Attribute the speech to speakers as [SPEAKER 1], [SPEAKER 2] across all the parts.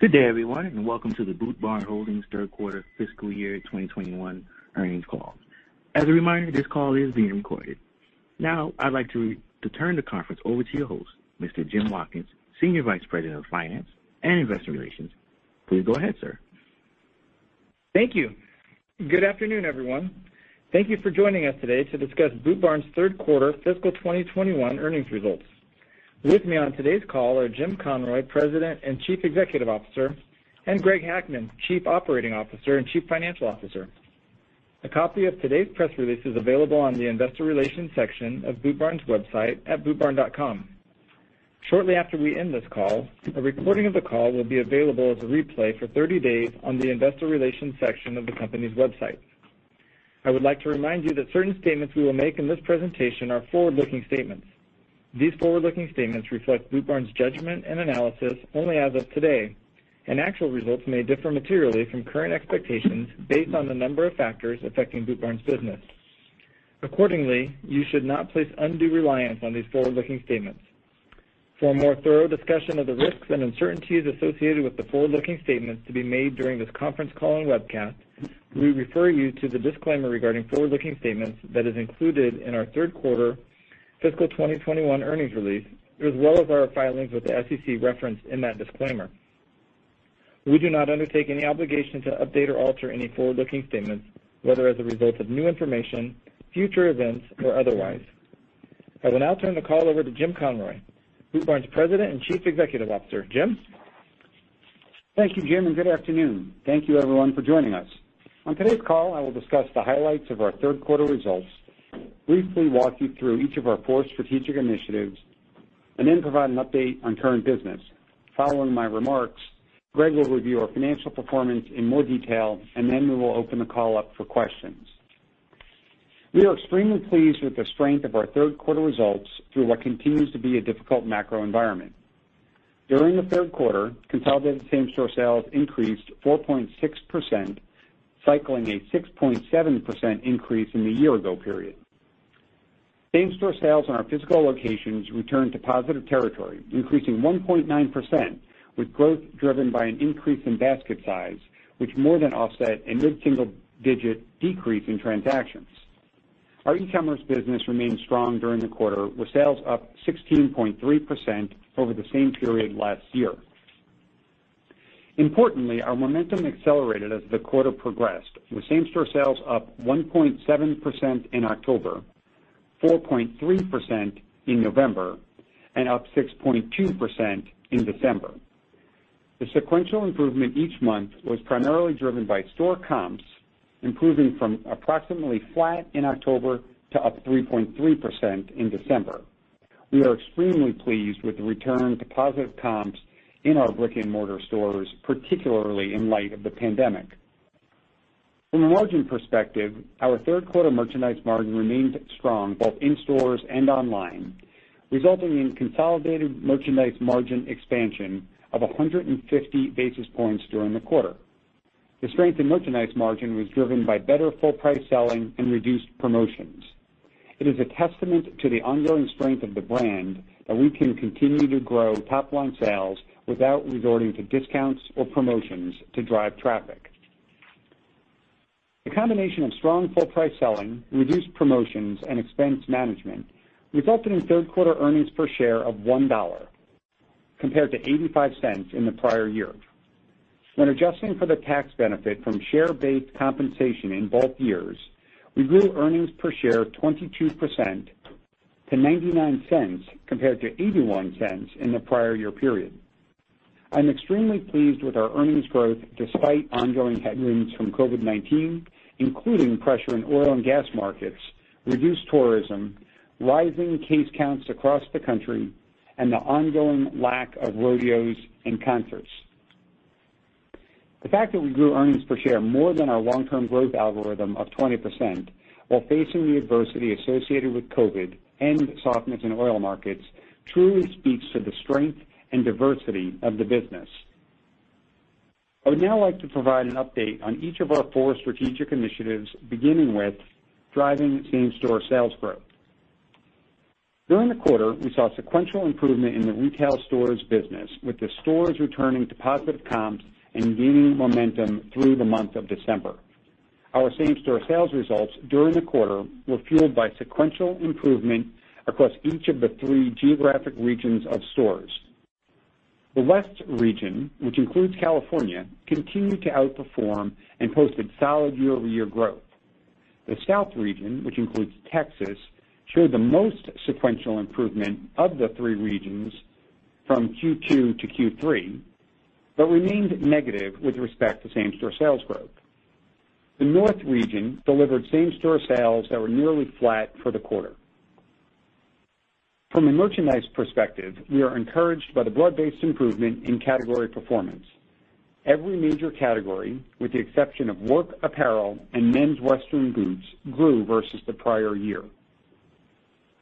[SPEAKER 1] Good day, everyone, and welcome to the Boot Barn Holdings third quarter fiscal year 2021 earnings call. As a reminder, this call is being recorded. Now, I'd like to turn the conference over to your host, Mr. Jim Watkins, Senior Vice President of Finance and Investor Relations. Please go ahead, sir.
[SPEAKER 2] Thank you. Good afternoon, everyone. Thank you for joining us today to discuss Boot Barn's third quarter fiscal 2021 earnings results. With me on today's call are Jim Conroy, President and Chief Executive Officer, and Greg Hackman, Chief Operating Officer and Chief Financial Officer. A copy of today's press release is available on the investor relations section of Boot Barn's website at bootbarn.com. Shortly after we end this call, a recording of the call will be available as a replay for 30 days on the investor relations section of the company's website. I would like to remind you that certain statements we will make in this presentation are forward-looking statements. These forward-looking statements reflect Boot Barn's judgment and analysis only as of today, and actual results may differ materially from current expectations based on the number of factors affecting Boot Barn's business. Accordingly, you should not place undue reliance on these forward-looking statements. For a more thorough discussion of the risks and uncertainties associated with the forward-looking statements to be made during this conference call and webcast, we refer you to the disclaimer regarding forward-looking statements that is included in our third quarter fiscal 2021 earnings release, as well as our filings with the SEC reference in that disclaimer. We do not undertake any obligation to update or alter any forward-looking statements, whether as a result of new information, future events, or otherwise. I will now turn the call over to Jim Conroy, Boot Barn's President and Chief Executive Officer. Jim?
[SPEAKER 3] Thank you, Jim, and good afternoon. Thank you everyone for joining us. On today's call, I will discuss the highlights of our third quarter results, briefly walk you through each of our four strategic initiatives, and then provide an update on current business. Following my remarks, Greg will review our financial performance in more detail, and then we will open the call up for questions. We are extremely pleased with the strength of our third quarter results through what continues to be a difficult macro environment. During the third quarter, consolidated same-store sales increased 4.6%, cycling a 6.7% increase in the year ago period. Same-store sales in our physical locations returned to positive territory, increasing 1.9%, with growth driven by an increase in basket size, which more than offset a mid-single digit decrease in transactions. Our e-commerce business remained strong during the quarter with sales up 16.3% over the same period last year. Importantly, our momentum accelerated as the quarter progressed, with same-store sales up 1.7% in October, 4.3% in November, and up 6.2% in December. The sequential improvement each month was primarily driven by store comps improving from approximately flat in October to up 3.3% in December. We are extremely pleased with the return to positive comps in our brick-and-mortar stores, particularly in light of the pandemic. From a margin perspective, our third quarter merchandise margin remained strong both in stores and online, resulting in consolidated merchandise margin expansion of 150 basis points during the quarter. The strength in merchandise margin was driven by better full price selling and reduced promotions. It is a testament to the ongoing strength of the brand that we can continue to grow top-line sales without resorting to discounts or promotions to drive traffic. The combination of strong full price selling, reduced promotions, and expense management resulted in third-quarter earnings per share of $1.00, compared to $0.85 in the prior year. When adjusting for the tax benefit from share-based compensation in both years, we grew earnings per share 22% to $0.99 compared to $0.81 in the prior year period. I'm extremely pleased with our earnings growth despite ongoing headwinds from COVID-19, including pressure in oil and gas markets, reduced tourism, rising case counts across the country, and the ongoing lack of rodeos and concerts. The fact that we grew earnings per share more than our long-term growth algorithm of 20%, while facing the adversity associated with COVID-19 and softness in oil markets, truly speaks to the strength and diversity of the business. I would now like to provide an update on each of our four strategic initiatives, beginning with driving same-store sales growth. During the quarter, we saw sequential improvement in the retail stores business, with the stores returning to positive comps and gaining momentum through the month of December. Our same-store sales results during the quarter were fueled by sequential improvement across each of the three geographic regions of stores. The West region, which includes California, continued to outperform and posted solid year-over-year growth. The South region, which includes Texas, showed the most sequential improvement of the three regions from Q2 to Q3, but remained negative with respect to same-store sales growth. The North region delivered same-store sales that were nearly flat for the quarter. From a merchandise perspective, we are encouraged by the broad-based improvement in category performance. Every major category, with the exception of work apparel and men's western boots, grew versus the prior year.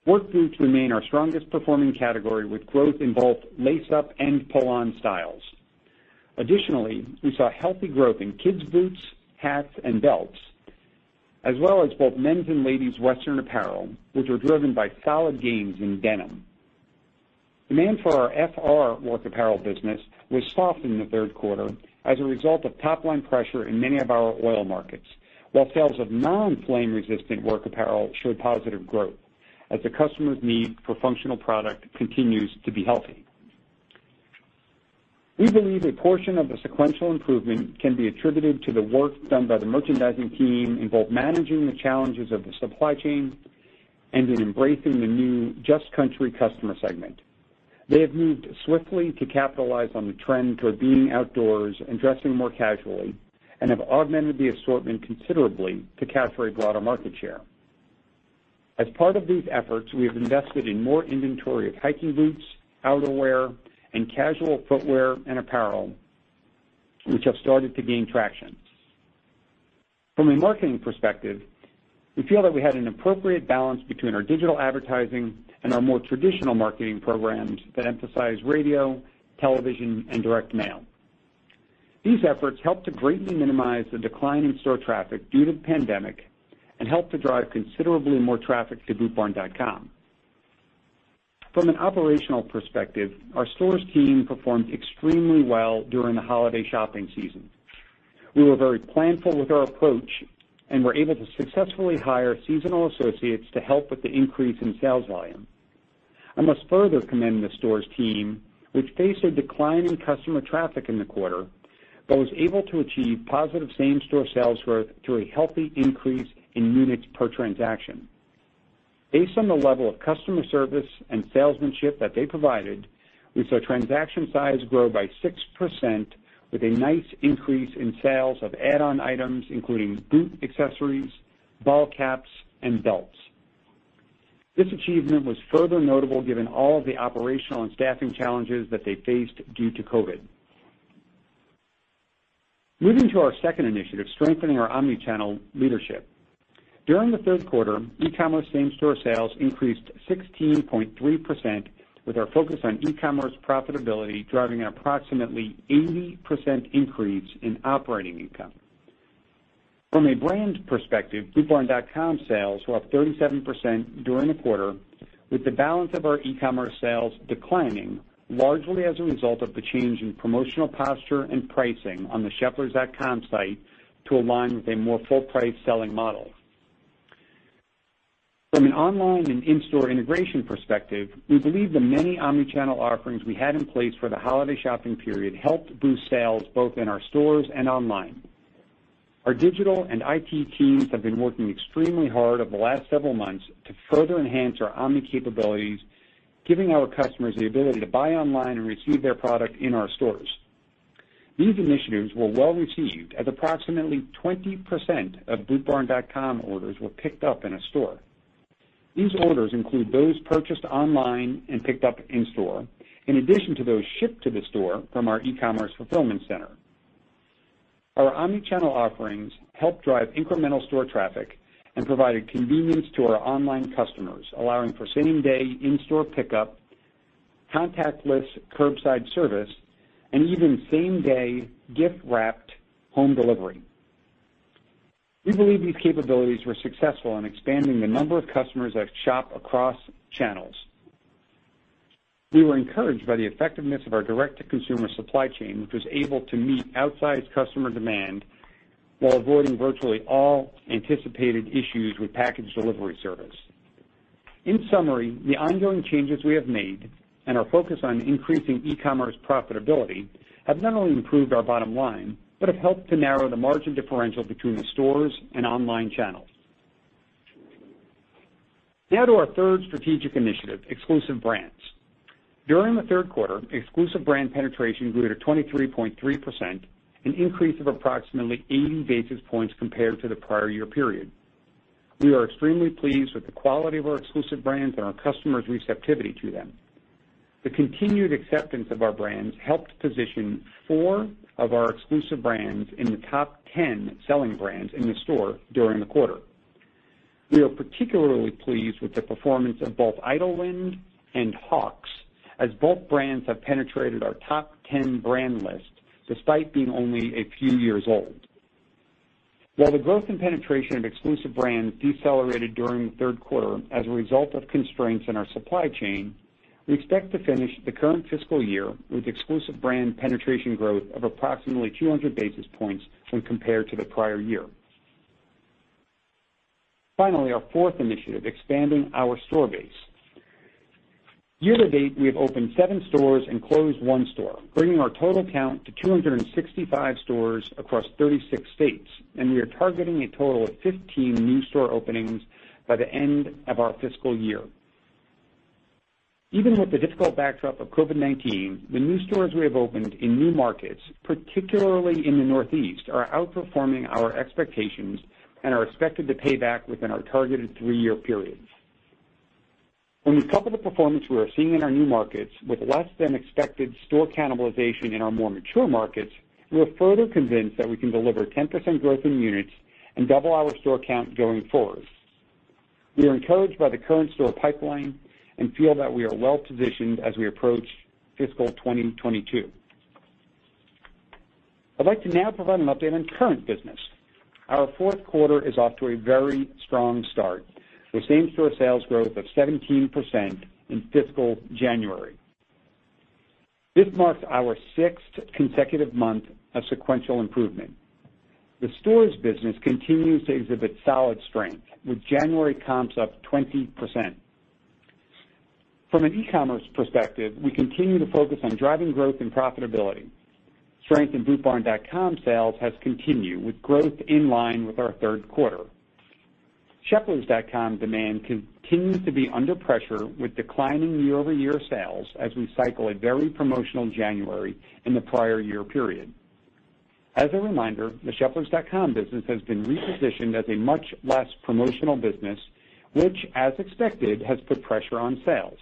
[SPEAKER 3] Work boots remain our strongest performing category, with growth in both lace-up and pull-on styles. Additionally, we saw healthy growth in kids' boots, hats, and belts as well as both men's and ladies' western apparel, which were driven by solid gains in denim. Demand for our FR work apparel business was soft in the third quarter as a result of top-line pressure in many of our oil markets. While sales of non-flame resistant work apparel showed positive growth as the customer's need for functional product continues to be healthy. We believe a portion of the sequential improvement can be attributed to the work done by the merchandising team in both managing the challenges of the supply chain and in embracing the new Just Country customer segment. They have moved swiftly to capitalize on the trend toward being outdoors and dressing more casually, and have augmented the assortment considerably to capture a broader market share. As part of these efforts, we have invested in more inventory of hiking boots, outerwear, and casual footwear and apparel, which have started to gain traction. From a marketing perspective, we feel that we had an appropriate balance between our digital advertising and our more traditional marketing programs that emphasize radio, television, and direct mail. These efforts helped to greatly minimize the decline in store traffic due to the pandemic and helped to drive considerably more traffic to bootbarn.com. From an operational perspective, our stores team performed extremely well during the holiday shopping season. We were very planful with our approach and were able to successfully hire seasonal associates to help with the increase in sales volume. I must further commend the stores team, which faced a decline in customer traffic in the quarter but was able to achieve positive same-store sales growth through a healthy increase in units per transaction. Based on the level of customer service and salesmanship that they provided, we saw transaction size grow by 6% with a nice increase in sales of add-on items, including boot accessories, ball caps, and belts. This achievement was further notable given all of the operational and staffing challenges that they faced due to COVID. Moving to our second initiative, strengthening our omnichannel leadership. During the third quarter, e-commerce same-store sales increased 16.3% with our focus on e-commerce profitability driving an approximately 80% increase in operating income. From a brand perspective, bootbarn.com sales were up 37% during the quarter with the balance of our e-commerce sales declining largely as a result of the change in promotional posture and pricing on the sheplers.com site to align with a more full-price selling model. From an online and in-store integration perspective, we believe the many omnichannel offerings we had in place for the holiday shopping period helped boost sales both in our stores and online. Our digital and IT teams have been working extremely hard over the last several months to further enhance our omni capabilities, giving our customers the ability to buy online and receive their product in our stores. These initiatives were well-received as approximately 20% of bootbarn.com orders were picked up in a store. These orders include those purchased online and picked up in store, in addition to those shipped to the store from our e-commerce fulfillment center. Our omnichannel offerings helped drive incremental store traffic and provided convenience to our online customers, allowing for same-day in-store pickup, contactless curbside service, and even same-day gift-wrapped home delivery. We believe these capabilities were successful in expanding the number of customers that shop across channels. We were encouraged by the effectiveness of our direct-to-consumer supply chain, which was able to meet outsized customer demand while avoiding virtually all anticipated issues with package delivery service. In summary, the ongoing changes we have made and our focus on increasing e-commerce profitability have not only improved our bottom line but have helped to narrow the margin differential between the stores and online channels. Now to our third strategic initiative, exclusive brands. During the third quarter, exclusive brand penetration grew to 23.3%, an increase of approximately 80 basis points compared to the prior year period. We are extremely pleased with the quality of our exclusive brands and our customers' receptivity to them. The continued acceptance of our brands helped position four of our exclusive brands in the top 10 selling brands in the store during the quarter. We are particularly pleased with the performance of both Idyllwind and Hawx, as both brands have penetrated our top 10 brand list despite being only a few years old. While the growth and penetration of exclusive brands decelerated during the third quarter as a result of constraints in our supply chain, we expect to finish the current fiscal year with exclusive brand penetration growth of approximately 200 basis points when compared to the prior year. Finally, our fourth initiative, expanding our store base. Year to date, we have opened seven stores and closed one store, bringing our total count to 265 stores across 36 states. We are targeting a total of 15 new store openings by the end of our fiscal year. Even with the difficult backdrop of COVID-19, the new stores we have opened in new markets, particularly in the Northeast, are outperforming our expectations and are expected to pay back within our targeted three-year periods. When we couple the performance we are seeing in our new markets with less than expected store cannibalization in our more mature markets, we are further convinced that we can deliver 10% growth in units and double our store count going forward. We are encouraged by the current store pipeline and feel that we are well positioned as we approach fiscal 2022. I'd like to now provide an update on current business. Our fourth quarter is off to a very strong start, with same-store sales growth of 17% in fiscal January. This marks our sixth consecutive month of sequential improvement. The stores business continues to exhibit solid strength, with January comps up 20%. From an e-commerce perspective, we continue to focus on driving growth and profitability. Strength in bootbarn.com sales has continued with growth in line with our third quarter. sheplers.com demand continues to be under pressure with declining year-over-year sales as we cycle a very promotional January in the prior year period. As a reminder, the sheplers.com business has been repositioned as a much less promotional business, which, as expected, has put pressure on sales.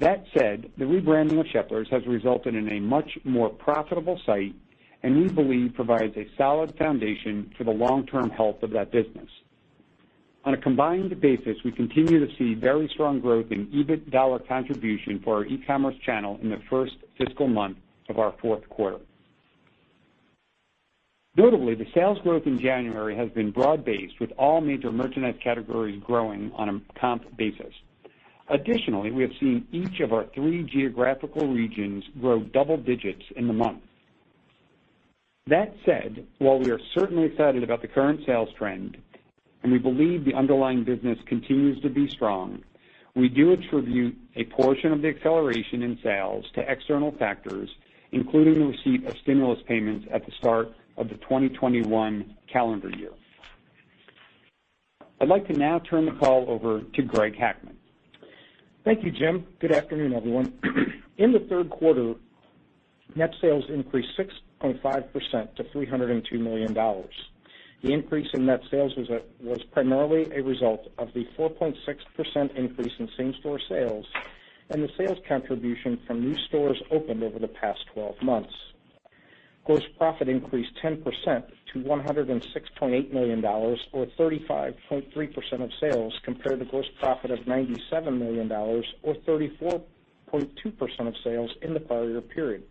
[SPEAKER 3] That said, the rebranding of Sheplers has resulted in a much more profitable site, and we believe provides a solid foundation for the long-term health of that business. On a combined basis, we continue to see very strong growth in EBIT dollar contribution for our e-commerce channel in the first fiscal month of our fourth quarter. Notably, the sales growth in January has been broad-based, with all major merchandise categories growing on a comp basis. Additionally, we have seen each of our three geographical regions grow double digits in the month. That said, while we are certainly excited about the current sales trend, and we believe the underlying business continues to be strong, we do attribute a portion of the acceleration in sales to external factors, including the receipt of stimulus payments at the start of the 2021 calendar year. I'd like to now turn the call over to Greg Hackman.
[SPEAKER 4] Thank you, Jim. Good afternoon, everyone. In the third quarter, net sales increased 6.5% to $302 million. The increase in net sales was primarily a result of the 4.6% increase in same-store sales and the sales contribution from new stores opened over the past 12 months. Gross profit increased 10% to $106.8 million, or 35.3% of sales, compared to gross profit of $97 million, or 34.2% of sales in the prior year period.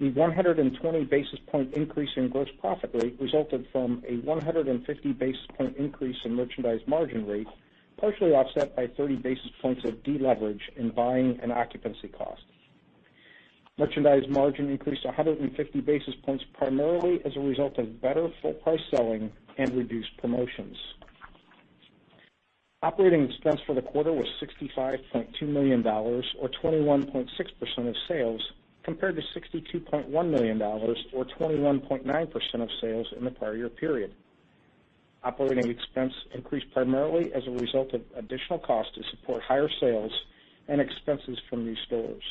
[SPEAKER 4] The 120 basis point increase in gross profit rate resulted from a 150 basis point increase in merchandise margin rate, partially offset by 30 basis points of deleverage in buying and occupancy costs. Merchandise margin increased 150 basis points primarily as a result of better full price selling and reduced promotions. Operating expense for the quarter was $65.2 million or 21.6% of sales, compared to $62.1 million or 21.9% of sales in the prior year period. Operating expense increased primarily as a result of additional cost to support higher sales and expenses from new stores.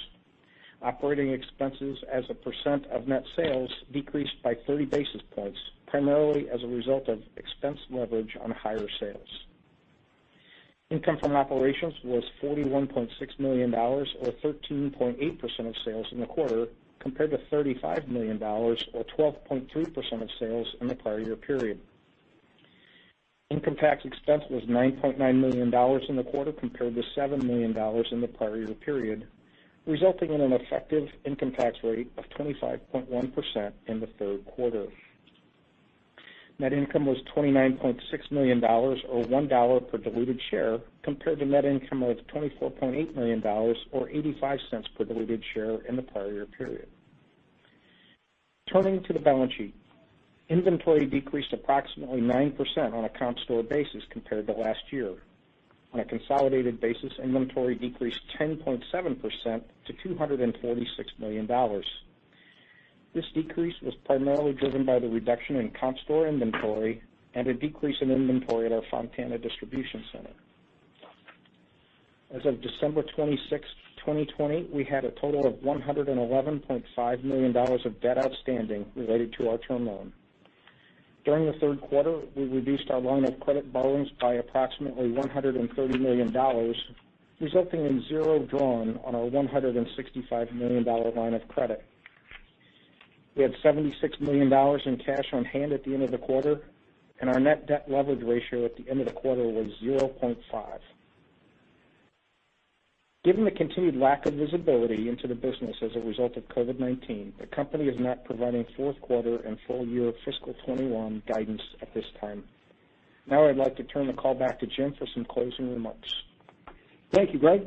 [SPEAKER 4] Operating expenses as a percent of net sales decreased by 30 basis points, primarily as a result of expense leverage on higher sales. Income from operations was $41.6 million or 13.8% of sales in the quarter, compared to $35 million or 12.3% of sales in the prior year period. Income tax expense was $9.9 million in the quarter, compared to $7 million in the prior year period, resulting in an effective income tax rate of 25.1% in the third quarter. Net income was $29.6 million or $1 per diluted share, compared to net income of $24.8 million or $0.85 per diluted share in the prior year period. Turning to the balance sheet. Inventory decreased approximately 9% on a comp store basis compared to last year. On a consolidated basis, inventory decreased 10.7% to $246 million. This decrease was primarily driven by the reduction in comp store inventory and a decrease in inventory at our Fontana distribution center. As of December 26th, 2020, we had a total of $111.5 million of debt outstanding related to our term loan. During the third quarter, we reduced our line of credit borrowings by approximately $130 million, resulting in zero drawn on our $165 million line of credit. We had $76 million in cash on hand at the end of the quarter, and our net debt leverage ratio at the end of the quarter was 0.5. Given the continued lack of visibility into the business as a result of COVID-19, the company is not providing fourth quarter and full year fiscal 2021 guidance at this time. Now I'd like to turn the call back to Jim for some closing remarks.
[SPEAKER 3] Thank you, Greg.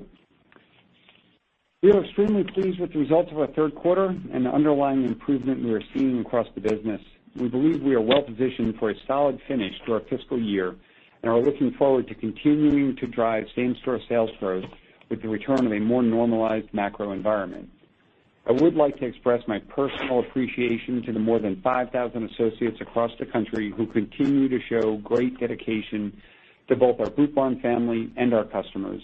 [SPEAKER 3] We are extremely pleased with the results of our third quarter and the underlying improvement we are seeing across the business. We believe we are well positioned for a solid finish to our fiscal year and are looking forward to continuing to drive same-store sales growth with the return of a more normalized macro environment. I would like to express my personal appreciation to the more than 5,000 associates across the country who continue to show great dedication to both our Boot Barn family and our customers,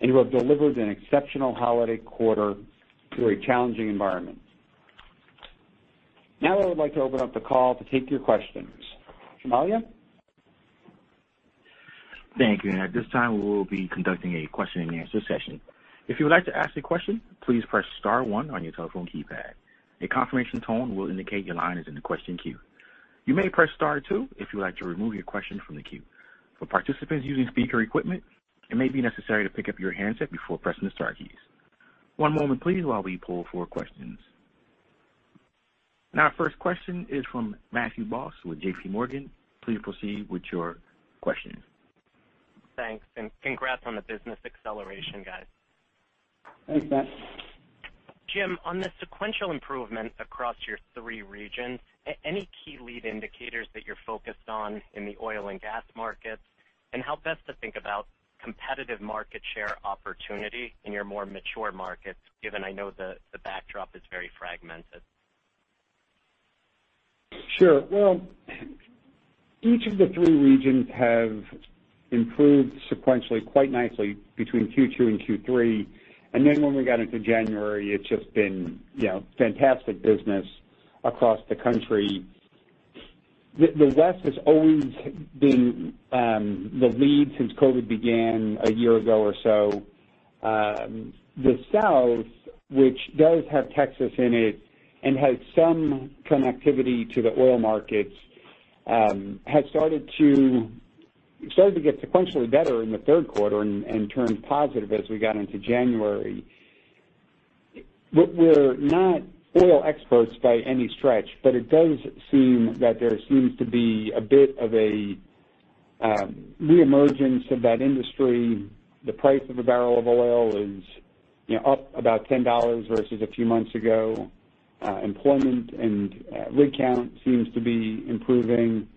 [SPEAKER 3] and who have delivered an exceptional holiday quarter through a challenging environment. Now I would like to open up the call to take your questions. Jamalia?
[SPEAKER 1] Thank you. At this time, we will be conducting a question and answer session. If you would like to ask a question, please press star one on your telephone keypad. A confirmation tone will indicate your line is in the question queue. You may press star two if you like to remove your question from the queue. For participants using speaker equipment, it may be necessary to pick up your handset before pressing star keys. One moment please, while we pull for questions. Our first question is from Matthew Boss with JPMorgan. Please proceed with your questions.
[SPEAKER 5] Thanks, and congrats on the business acceleration, guys.
[SPEAKER 3] Thanks, Matt.
[SPEAKER 5] Jim, on the sequential improvement across your three regions, any key lead indicators that you're focused on in the oil and gas markets? How best to think about competitive market share opportunity in your more mature markets, given I know the backdrop is very fragmented?
[SPEAKER 3] Sure. Well, each of the three regions have improved sequentially quite nicely between Q2 and Q3. When we got into January, it's just been fantastic business across the country. The West has always been the lead since COVID began a year ago or so. The South, which does have Texas in it and has some connectivity to the oil markets, started to get sequentially better in the third quarter and turned positive as we got into January. We're not oil experts by any stretch, it does seem that there seems to be a bit of a reemergence of that industry. The price of a barrel of oil is up about $10 versus a few months ago. Employment and rig count seems to be improving,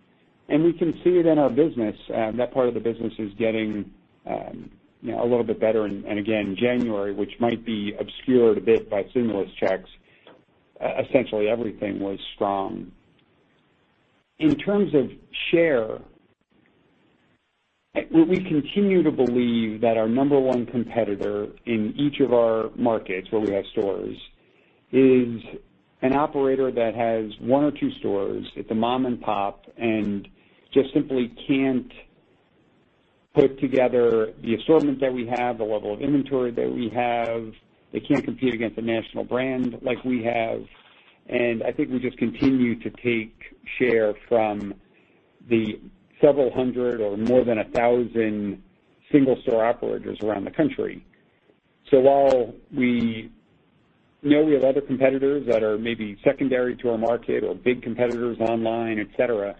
[SPEAKER 3] we can see it in our business. That part of the business is getting a little bit better. Again, January, which might be obscured a bit by stimulus checks, essentially everything was strong. In terms of share, we continue to believe that our number one competitor in each of our markets where we have stores is an operator that has one or two stores. It's a mom and pop, and just simply can't put together the assortment that we have, the level of inventory that we have. They can't compete against a national brand like we have. I think we just continue to take share from the several hundred or more than 1,000 single-store operators around the country. While we know we have other competitors that are maybe secondary to our market or big competitors online, et cetera,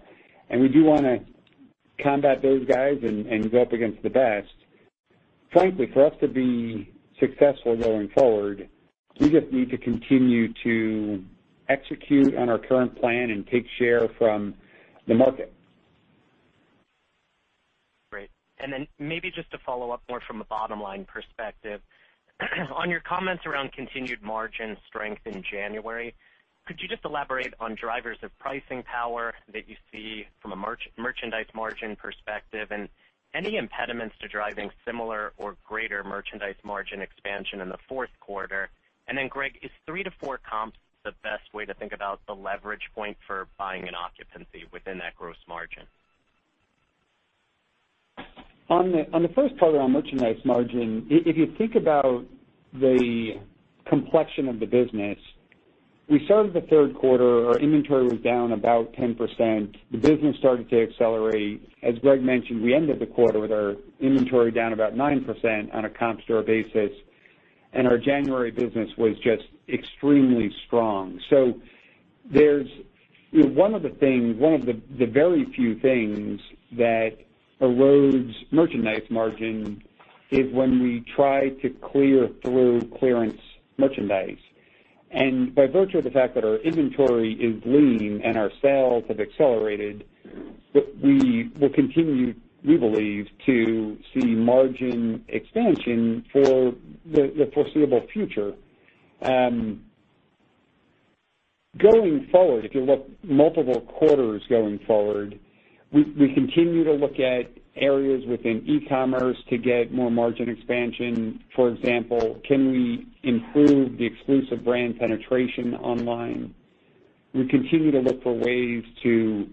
[SPEAKER 3] and we do want to combat those guys and go up against the best. Frankly, for us to be successful going forward, we just need to continue to execute on our current plan and take share from the market.
[SPEAKER 5] Great. Maybe just to follow up more from a bottom-line perspective. On your comments around continued margin strength in January, could you just elaborate on drivers of pricing power that you see from a merchandise margin perspective and any impediments to driving similar or greater merchandise margin expansion in the fourth quarter? Greg, is three to four comps the best way to think about the leverage point for buying and occupancy within that gross margin?
[SPEAKER 3] On the first part, on merchandise margin, if you think about the complexion of the business, we started the third quarter, our inventory was down about 10%. The business started to accelerate. As Greg mentioned, we ended the quarter with our inventory down about 9% on a comp store basis, and our January business was just extremely strong. One of the very few things that erodes merchandise margin is when we try to clear through clearance merchandise. By virtue of the fact that our inventory is lean and our sales have accelerated, we will continue, we believe, to see margin expansion for the foreseeable future. Going forward, if you look multiple quarters going forward, we continue to look at areas within e-commerce to get more margin expansion. For example, can we improve the exclusive brand penetration online? We continue to look for ways to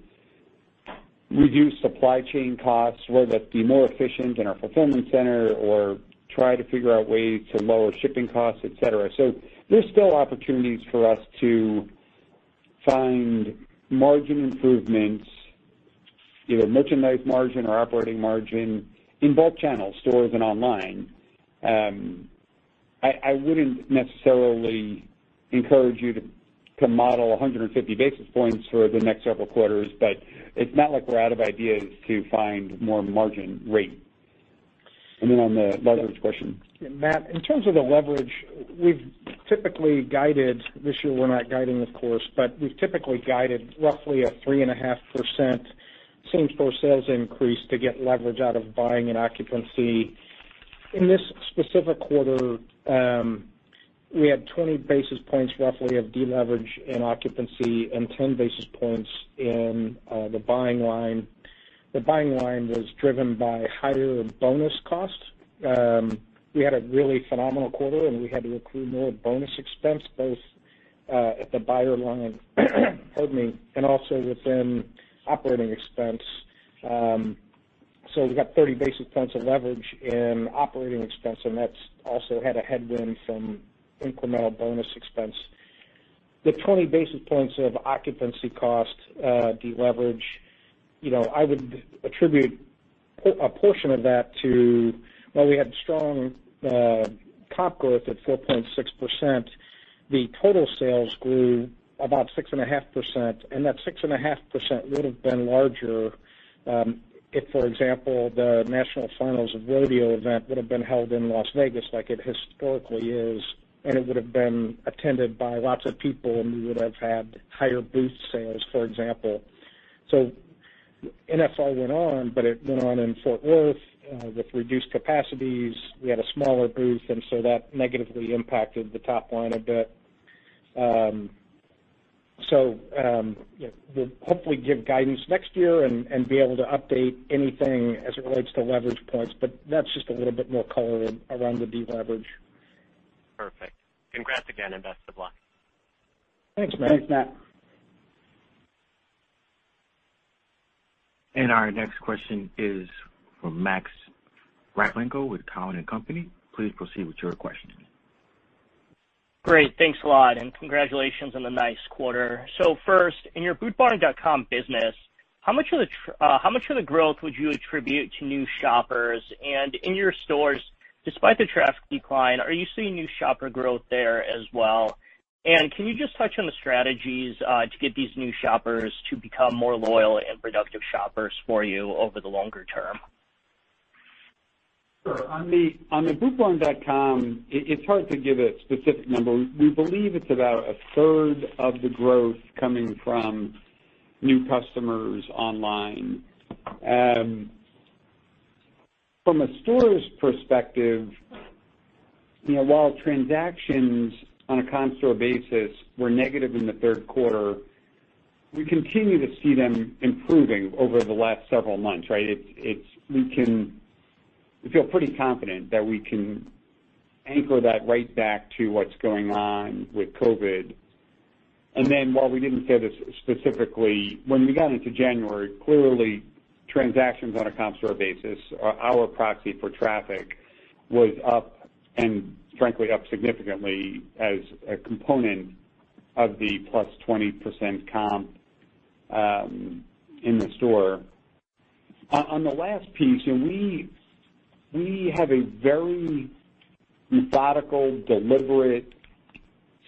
[SPEAKER 3] reduce supply chain costs, whether that be more efficient in our fulfillment center or try to figure out ways to lower shipping costs, et cetera. There's still opportunities for us to find margin improvements, either merchandise margin or operating margin, in both channels, stores and online. I wouldn't necessarily encourage you to model 150 basis points for the next several quarters, but it's not like we're out of ideas to find more margin rate. On the leverage question.
[SPEAKER 4] Matt, in terms of the leverage, we've typically guided. This year, we're not guiding, of course, but we've typically guided roughly a 3.5% same-store sales increase to get leverage out of buying and occupancy. In this specific quarter, we had 20 basis points, roughly, of deleverage in occupancy and 10 basis points in the buying line. The buying line was driven by higher bonus costs. We had a really phenomenal quarter, and we had to accrue more bonus expense both at the buyer line, pardon me, and also within operating expense. We've got 30 basis points of leverage in operating expense, and that's also had a headwind from incremental bonus expense. The 20 basis points of occupancy cost deleverage, I would attribute a portion of that to while we had strong comp growth at 4.6%, the total sales grew about 6.5%, and that 6.5% would've been larger if, for example, the National Finals Rodeo event would've been held in Las Vegas like it historically is, and it would've been attended by lots of people, and we would've had higher booth sales, for example. NFR went on, but it went on in Fort Worth, with reduced capacities. We had a smaller booth, that negatively impacted the top line a bit. We'll hopefully give guidance next year and be able to update anything as it relates to leverage points, but that's just a little bit more color around the deleverage.
[SPEAKER 5] Perfect. Congrats again, and best of luck.
[SPEAKER 3] Thanks, Matt.
[SPEAKER 4] Thanks, Matt.
[SPEAKER 1] Our next question is from Max Rakhlenko with Cowen and Company. Please proceed with your question.
[SPEAKER 6] Great. Thanks a lot, congratulations on the nice quarter. First, in your bootbarn.com business, how much of the growth would you attribute to new shoppers? In your stores, despite the traffic decline, are you seeing new shopper growth there as well? Can you just touch on the strategies to get these new shoppers to become more loyal and productive shoppers for you over the longer term?
[SPEAKER 3] Sure. On the bootbarn.com, it is hard to give a specific number. We believe it is about 1/3 of the growth coming from new customers online. From a stores perspective, while transactions on a comp store basis were negative in the third quarter, we continue to see them improving over the last several months, right? We feel pretty confident that we can anchor that right back to what is going on with COVID. While we did not say this specifically, when we got into January, clearly transactions on a comp store basis, our proxy for traffic, was up, and frankly, up significantly as a component of the +20% comp in the store. On the last piece, we have a very methodical, deliberate,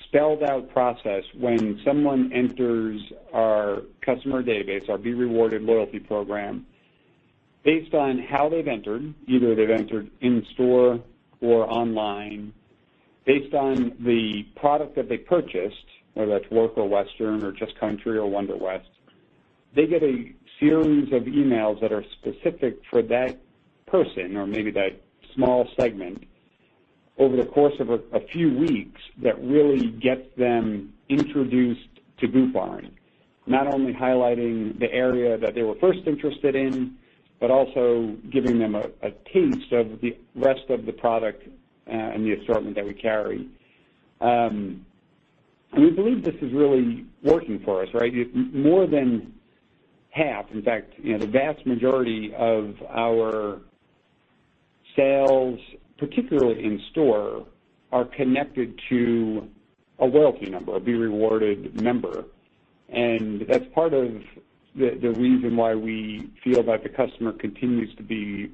[SPEAKER 3] spelled-out process when someone enters our customer database, our B.Rewarded loyalty program. Based on how they've entered, either they've entered in store or online, based on the product that they purchased, whether that's Work or Western or Just Country or Wonderwest, they get a series of emails that are specific for that person or maybe that small segment over the course of a few weeks that really gets them introduced to Boot Barn. Not only highlighting the area that they were first interested in, but also giving them a taste of the rest of the product and the assortment that we carry. We believe this is really working for us, right? More than half, in fact, the vast majority of our sales, particularly in store, are connected to a loyalty number, a B.Rewarded member. That's part of the reason why we feel that the customer continues to be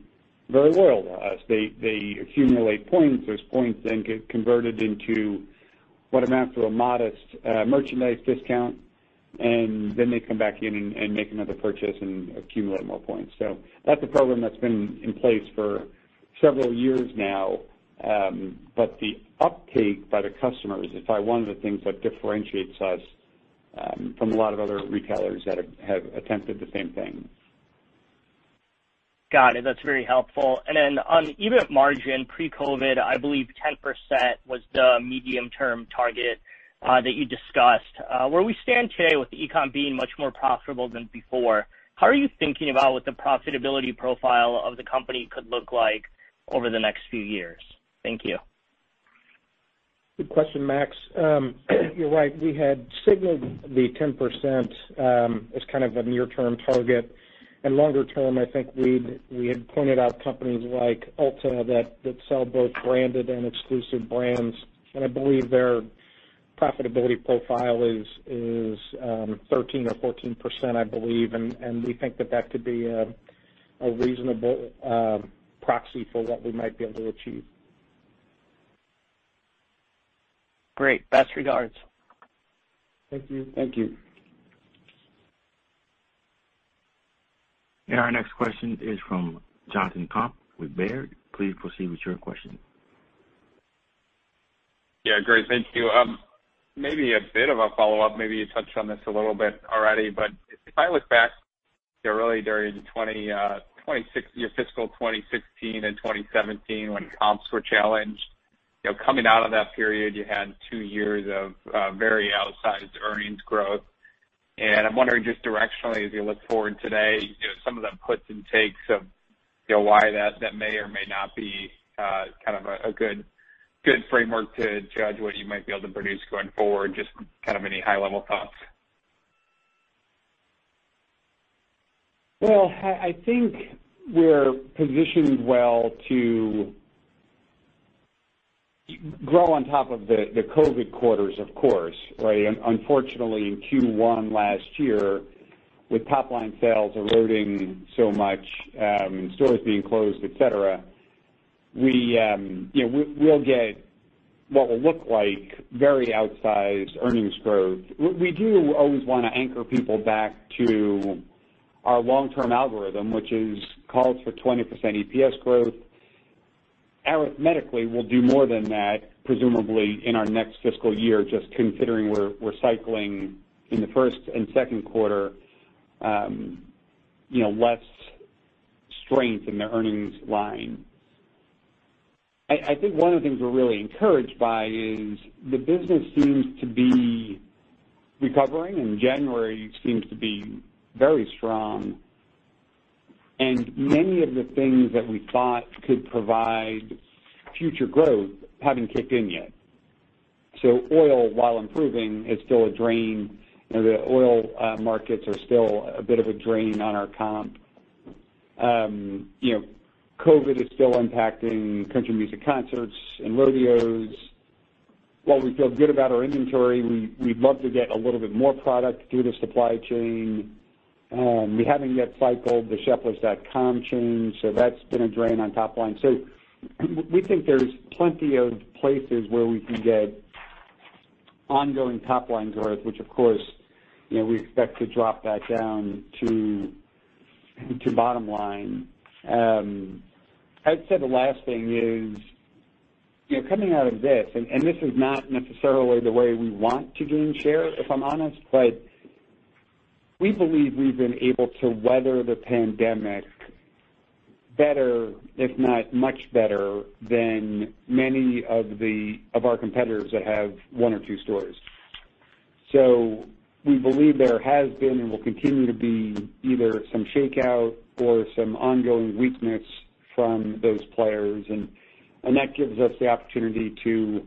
[SPEAKER 3] very loyal to us. They accumulate points. Those points then get converted into what amounts to a modest merchandise discount, and then they come back in and make another purchase and accumulate more points. That's a program that's been in place for several years now. The uptake by the customers is probably one of the things that differentiates us from a lot of other retailers that have attempted the same thing.
[SPEAKER 6] Got it. That's very helpful. On the EBIT margin pre-COVID-19, I believe 10% was the medium-term target that you discussed. Where we stand today with e-com being much more profitable than before, how are you thinking about what the profitability profile of the company could look like over the next few years? Thank you.
[SPEAKER 4] Good question, Max. You're right. We had signaled the 10% as kind of the near-term target. Longer term, I think we had pointed out companies like Ulta that sell both branded and exclusive brands. I believe their profitability profile is 13% or 14%, I believe, and we think that could be a reasonable proxy for what we might be able to achieve.
[SPEAKER 6] Great. Best regards.
[SPEAKER 3] Thank you.
[SPEAKER 4] Thank you.
[SPEAKER 1] Our next question is from Jonathan Komp with Baird. Please proceed with your question.
[SPEAKER 7] Yeah, great. Thank you. Maybe a bit of a follow-up. Maybe you touched on this a little bit already, but if I look back, really during fiscal 2016 and 2017 when comps were challenged, coming out of that period, you had two years of very outsized earnings growth. And I'm wondering just directionally, as you look forward today, some of the puts and takes of why that may or may not be kind of a good framework to judge what you might be able to produce going forward. Just kind of any high-level thoughts.
[SPEAKER 3] Well, I think we're positioned well to grow on top of the COVID quarters, of course, right? Unfortunately, in Q1 last year, with top-line sales eroding so much, stores being closed, et cetera, we'll get what will look like very outsized earnings growth. We do always want to anchor people back to our long-term algorithm, which calls for 20% EPS growth. Arithmetically, we'll do more than that, presumably, in our next fiscal year, just considering we're cycling in the first and second quarter less strength in the earnings line. I think one of the things we're really encouraged by is the business seems to be recovering. January seems to be very strong. Many of the things that we thought could provide future growth haven't kicked in yet. Oil, while improving, is still a drain. The oil markets are still a bit of a drain on our comp. COVID is still impacting country music concerts and rodeos. While we feel good about our inventory, we'd love to get a little bit more product through the supply chain. We haven't yet cycled the sheplers.com change, so that's been a drain on top line. We think there's plenty of places where we can get ongoing top-line growth, which of course, we expect to drop back down to bottom line. I'd say the last thing is, coming out of this, and this is not necessarily the way we want to gain share, if I'm honest, but we believe we've been able to weather the pandemic better, if not much better, than many of our competitors that have one or two stores. We believe there has been and will continue to be either some shakeout or some ongoing weakness from those players, and that gives us the opportunity to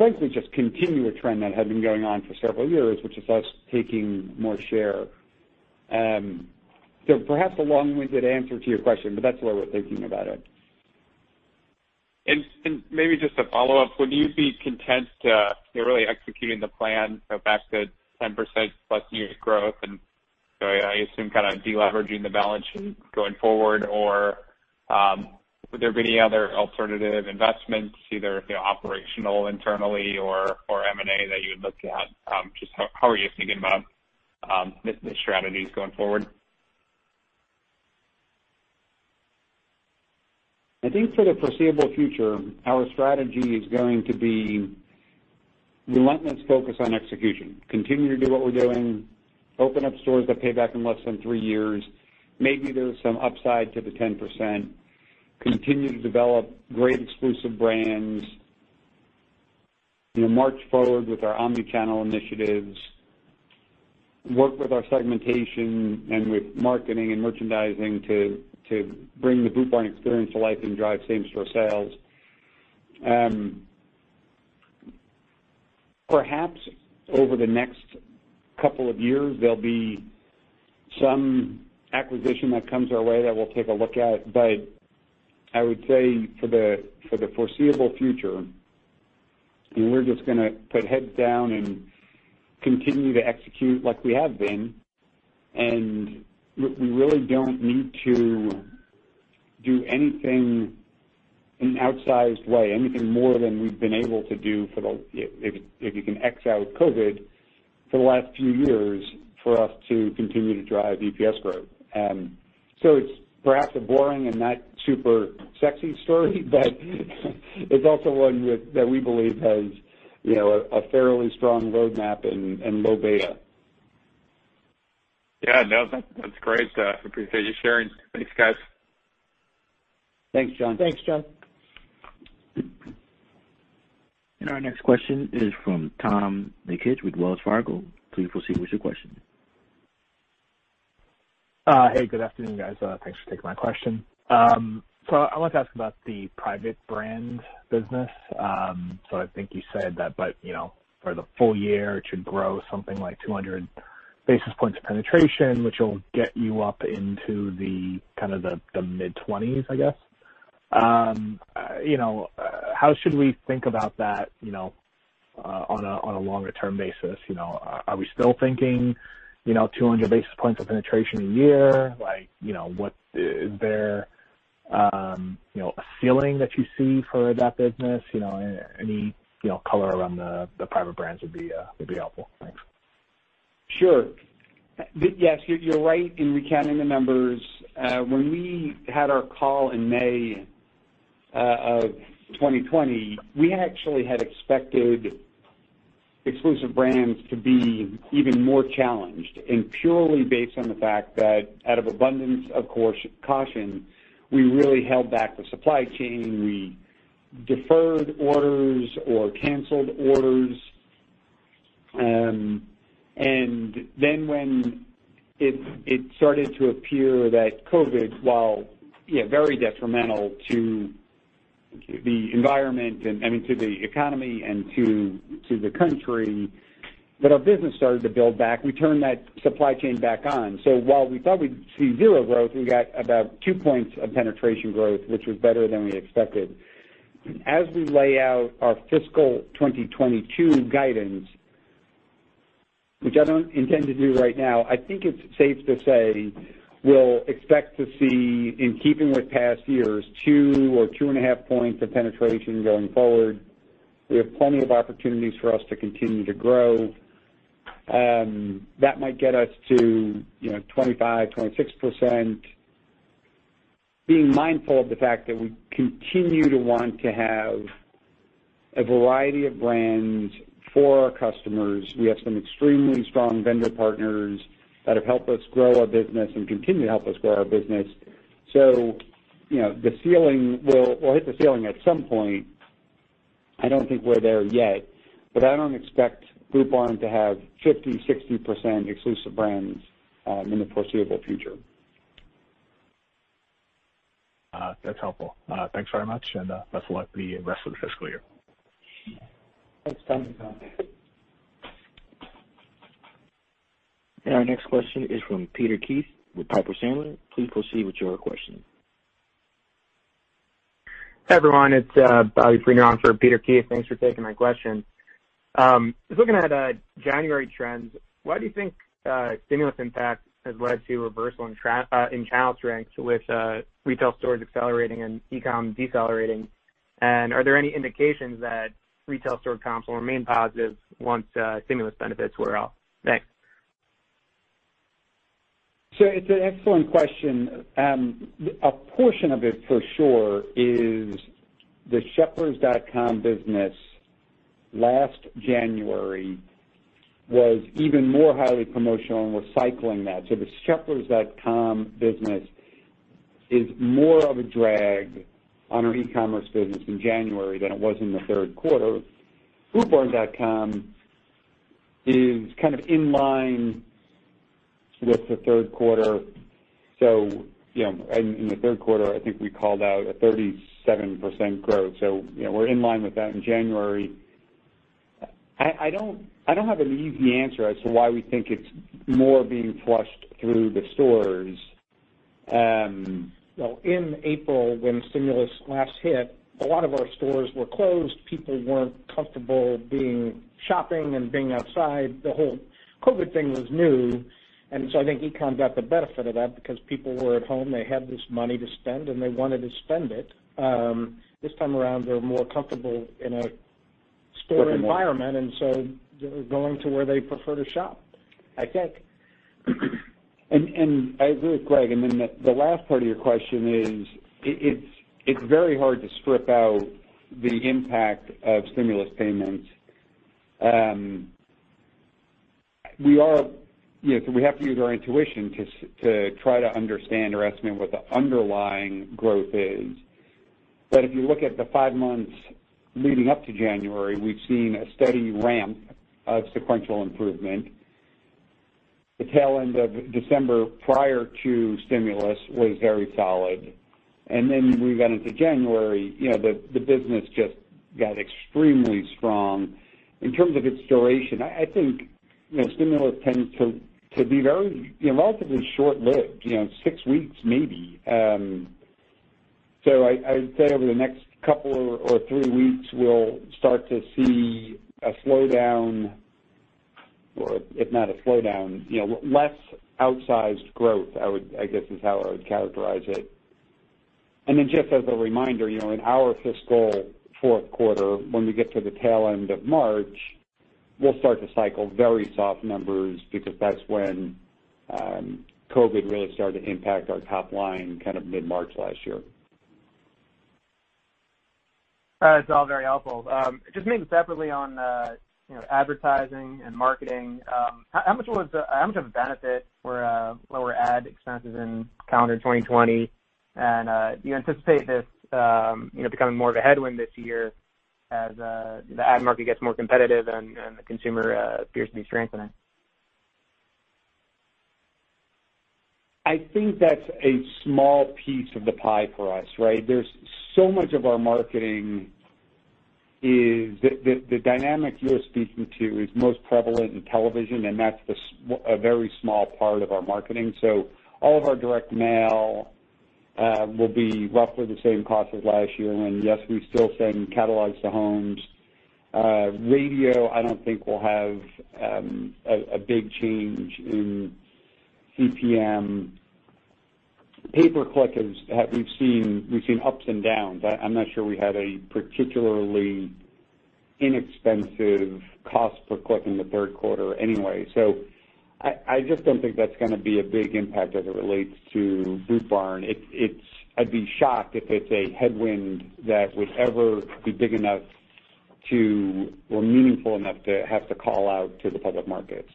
[SPEAKER 3] frankly just continue a trend that had been going on for several years, which is us taking more share. Perhaps a long-winded answer to your question, but that's the way we're thinking about it.
[SPEAKER 7] Maybe just a follow-up. Would you be content to really executing the plan back to 10%+ unit growth and, I assume, kind of de-leveraging the balance sheet going forward, or would there be any other alternative investments, either operational internally or M&A that you would look at? Just how are you thinking about the strategies going forward?
[SPEAKER 3] I think for the foreseeable future, our strategy is going to be relentless focus on execution, continue to do what we're doing, open up stores that pay back in less than three years. Maybe there's some upside to the 10%. Continue to develop great exclusive brands. March forward with our omni-channel initiatives. Work with our segmentation and with marketing and merchandising to bring the Boot Barn experience to life and drive same-store sales. Perhaps over the next couple of years, there'll be some acquisition that comes our way that we'll take a look at. I would say for the foreseeable future, we're just going to put heads down and continue to execute like we have been. We really don't need to do anything in an outsized way, anything more than we've been able to do If you can X out COVID, for the last few years, for us to continue to drive EPS growth. It's perhaps a boring and not super sexy story, but it's also one that we believe has a fairly strong roadmap and low beta.
[SPEAKER 7] Yeah, no, that's great. I appreciate you sharing. Thanks, guys.
[SPEAKER 3] Thanks, Jon.
[SPEAKER 4] Thanks, Jon.
[SPEAKER 1] Our next question is from Tom Nikic with Wells Fargo. Please proceed with your question.
[SPEAKER 8] Hey, good afternoon, guys. Thanks for taking my question. I wanted to ask about the private brand business. I think you said that for the full year, it should grow something like 200 basis points of penetration, which will get you up into the mid-20s, I guess. How should we think about that on a longer-term basis? Are we still thinking 200 basis points of penetration a year? Is there a ceiling that you see for that business? Any color around the private brands would be helpful. Thanks.
[SPEAKER 3] Sure. Yes, you're right in recounting the numbers. When we had our call in May of 2020, we actually had expected exclusive brands to be even more challenged. Purely based on the fact that out of abundance of caution, we really held back the supply chain. We deferred orders or canceled orders. When it started to appear that COVID, while very detrimental to the environment and to the economy and to the country, our business started to build back. We turned that supply chain back on. While we thought we'd see zero growth, we got about two points of penetration growth, which was better than we expected. As we lay out our fiscal 2022 guidance, which I don't intend to do right now, I think it's safe to say we'll expect to see, in keeping with past years, 2 or 2.5 points of penetration going forward. We have plenty of opportunities for us to continue to grow. That might get us to 25%-26%. Being mindful of the fact that we continue to want to have a variety of brands for our customers. We have some extremely strong vendor partners that have helped us grow our business and continue to help us grow our business. We'll hit the ceiling at some point. I don't think we're there yet, but I don't expect Boot Barn to have 50%-60% exclusive brands in the foreseeable future.
[SPEAKER 8] That's helpful. Thanks very much, and best of luck with the rest of the fiscal year.
[SPEAKER 3] Thanks, Tom.
[SPEAKER 1] Our next question is from Peter Keith with Piper Sandler. Please proceed with your question.
[SPEAKER 9] Hi, everyone. It's Bobby Friedner on for Peter Keith. Thanks for taking my question. Just looking at January trends, why do you think stimulus impact has led to a reversal in channel trends with retail stores accelerating and e-com decelerating? Are there any indications that retail store comps will remain positive once stimulus benefits wear off? Thanks.
[SPEAKER 4] It's an excellent question. A portion of it, for sure, is the sheplers.com business last January was even more highly promotional and we're cycling that. The sheplers.com business is more of a drag on our e-commerce business in January than it was in the third quarter. bootbarn.com is kind of in line with the third quarter. In the third quarter, I think we called out a 37% growth. We're in line with that in January. I don't have an easy answer as to why we think it's more being flushed through the stores. Well, in April, when stimulus last hit, a lot of our stores were closed. People weren't comfortable shopping and being outside. The whole COVID thing was new. I think e-comm got the benefit of that because people were at home, they had this money to spend, and they wanted to spend it. This time around, they're more comfortable in a store environment, and so they're going to where they prefer to shop, I think.
[SPEAKER 3] I agree with Greg. The last part of your question is, it's very hard to strip out the impact of stimulus payments. We have to use our intuition to try to understand or estimate what the underlying growth is. If you look at the five months leading up to January, we've seen a steady ramp of sequential improvement. The tail end of December prior to stimulus was very solid. You move into January, the business just got extremely strong. In terms of its duration, I think stimulus tends to be relatively short-lived, six weeks, maybe. I would say over the next couple or three weeks, we'll start to see a slowdown, or if not a slowdown, less outsized growth, I guess is how I would characterize it. Just as a reminder, in our fiscal fourth quarter, when we get to the tail end of March, we'll start to cycle very soft numbers because that's when COVID really started to impact our top line mid-March last year.
[SPEAKER 9] All right. It's all very helpful. Just maybe separately on advertising and marketing. How much of a benefit were lower ad expenses in calendar 2020? Do you anticipate this becoming more of a headwind this year as the ad market gets more competitive and the consumer appears to be strengthening?
[SPEAKER 3] I think that's a small piece of the pie for us, right? Much of our marketing, the dynamic you're speaking to is most prevalent in television, and that's a very small part of our marketing. All of our direct mail will be roughly the same cost as last year. Yes, we still send catalogs to homes. Radio, I don't think will have a big change in CPM. Pay-per-click, we've seen ups and downs. I'm not sure we had a particularly inexpensive cost per click in the third quarter anyway. I just don't think that's going to be a big impact as it relates to Boot Barn. I'd be shocked if it's a headwind that would ever be big enough or meaningful enough to have to call out to the public markets.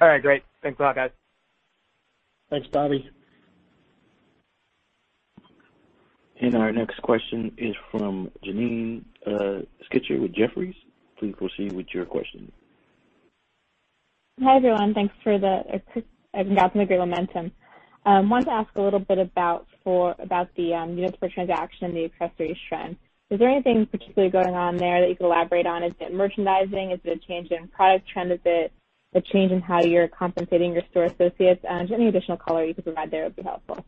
[SPEAKER 9] All right, great. Thanks a lot, guys.
[SPEAKER 3] Thanks, Bobby.
[SPEAKER 1] Our next question is from Janine Stichter with Jefferies. Please proceed with your question.
[SPEAKER 10] Hi, everyone. Thanks for the great momentum. Wanted to ask a little bit about the units per transaction and the accessories trend. Is there anything particularly going on there that you can elaborate on? Is it merchandising? Is it a change in product trend? Is it a change in how you're compensating your store associates? Just any additional color you could provide there would be helpful.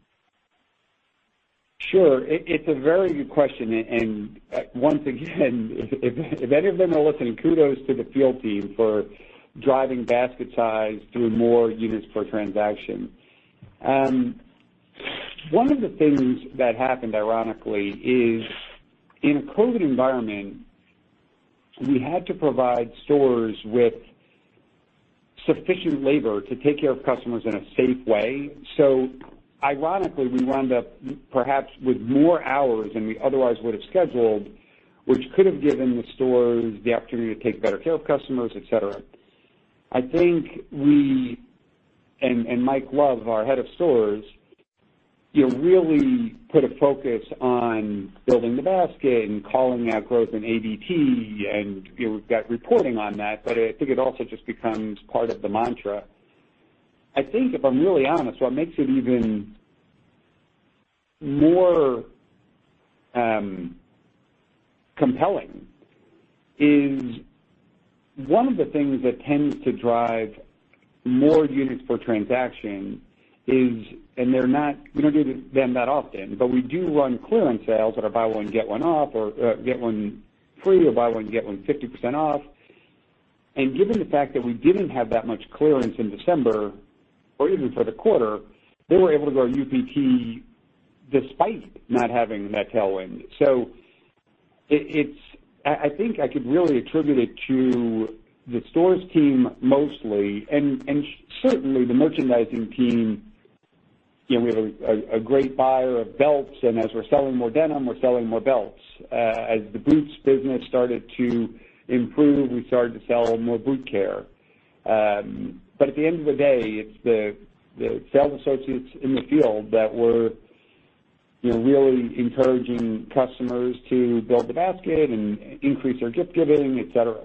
[SPEAKER 3] Sure. It's a very good question. Once again, if any of them are listening, kudos to the field team for driving basket size through more units per transaction. One of the things that happened, ironically, is in a COVID-19 environment, we had to provide stores with sufficient labor to take care of customers in a safe way. Ironically, we wound up perhaps with more hours than we otherwise would've scheduled, which could've given the stores the opportunity to take better care of customers, et cetera. I think we and Mike Love, our Head of Stores, really put a focus on building the basket and calling out growth in ADT, and we've got reporting on that, but I think it also just becomes part of the mantra. I think if I'm really honest, what makes it even more compelling is one of the things that tends to drive more units per transaction is, and we don't do them that often, but we do run clearance sales that are buy one, get one off, or get one free, or buy one, get one 50% off. Given the fact that we didn't have that much clearance in December, or even for the quarter, they were able to grow UPT despite not having that tailwind. I think I could really attribute it to the stores team mostly, and certainly the merchandising team. We have a great buyer of belts, and as we're selling more denim, we're selling more belts. As the boots business started to improve, we started to sell more boot care. At the end of the day, it's the sales associates in the field that were really encouraging customers to build the basket and increase their gift giving, et cetera.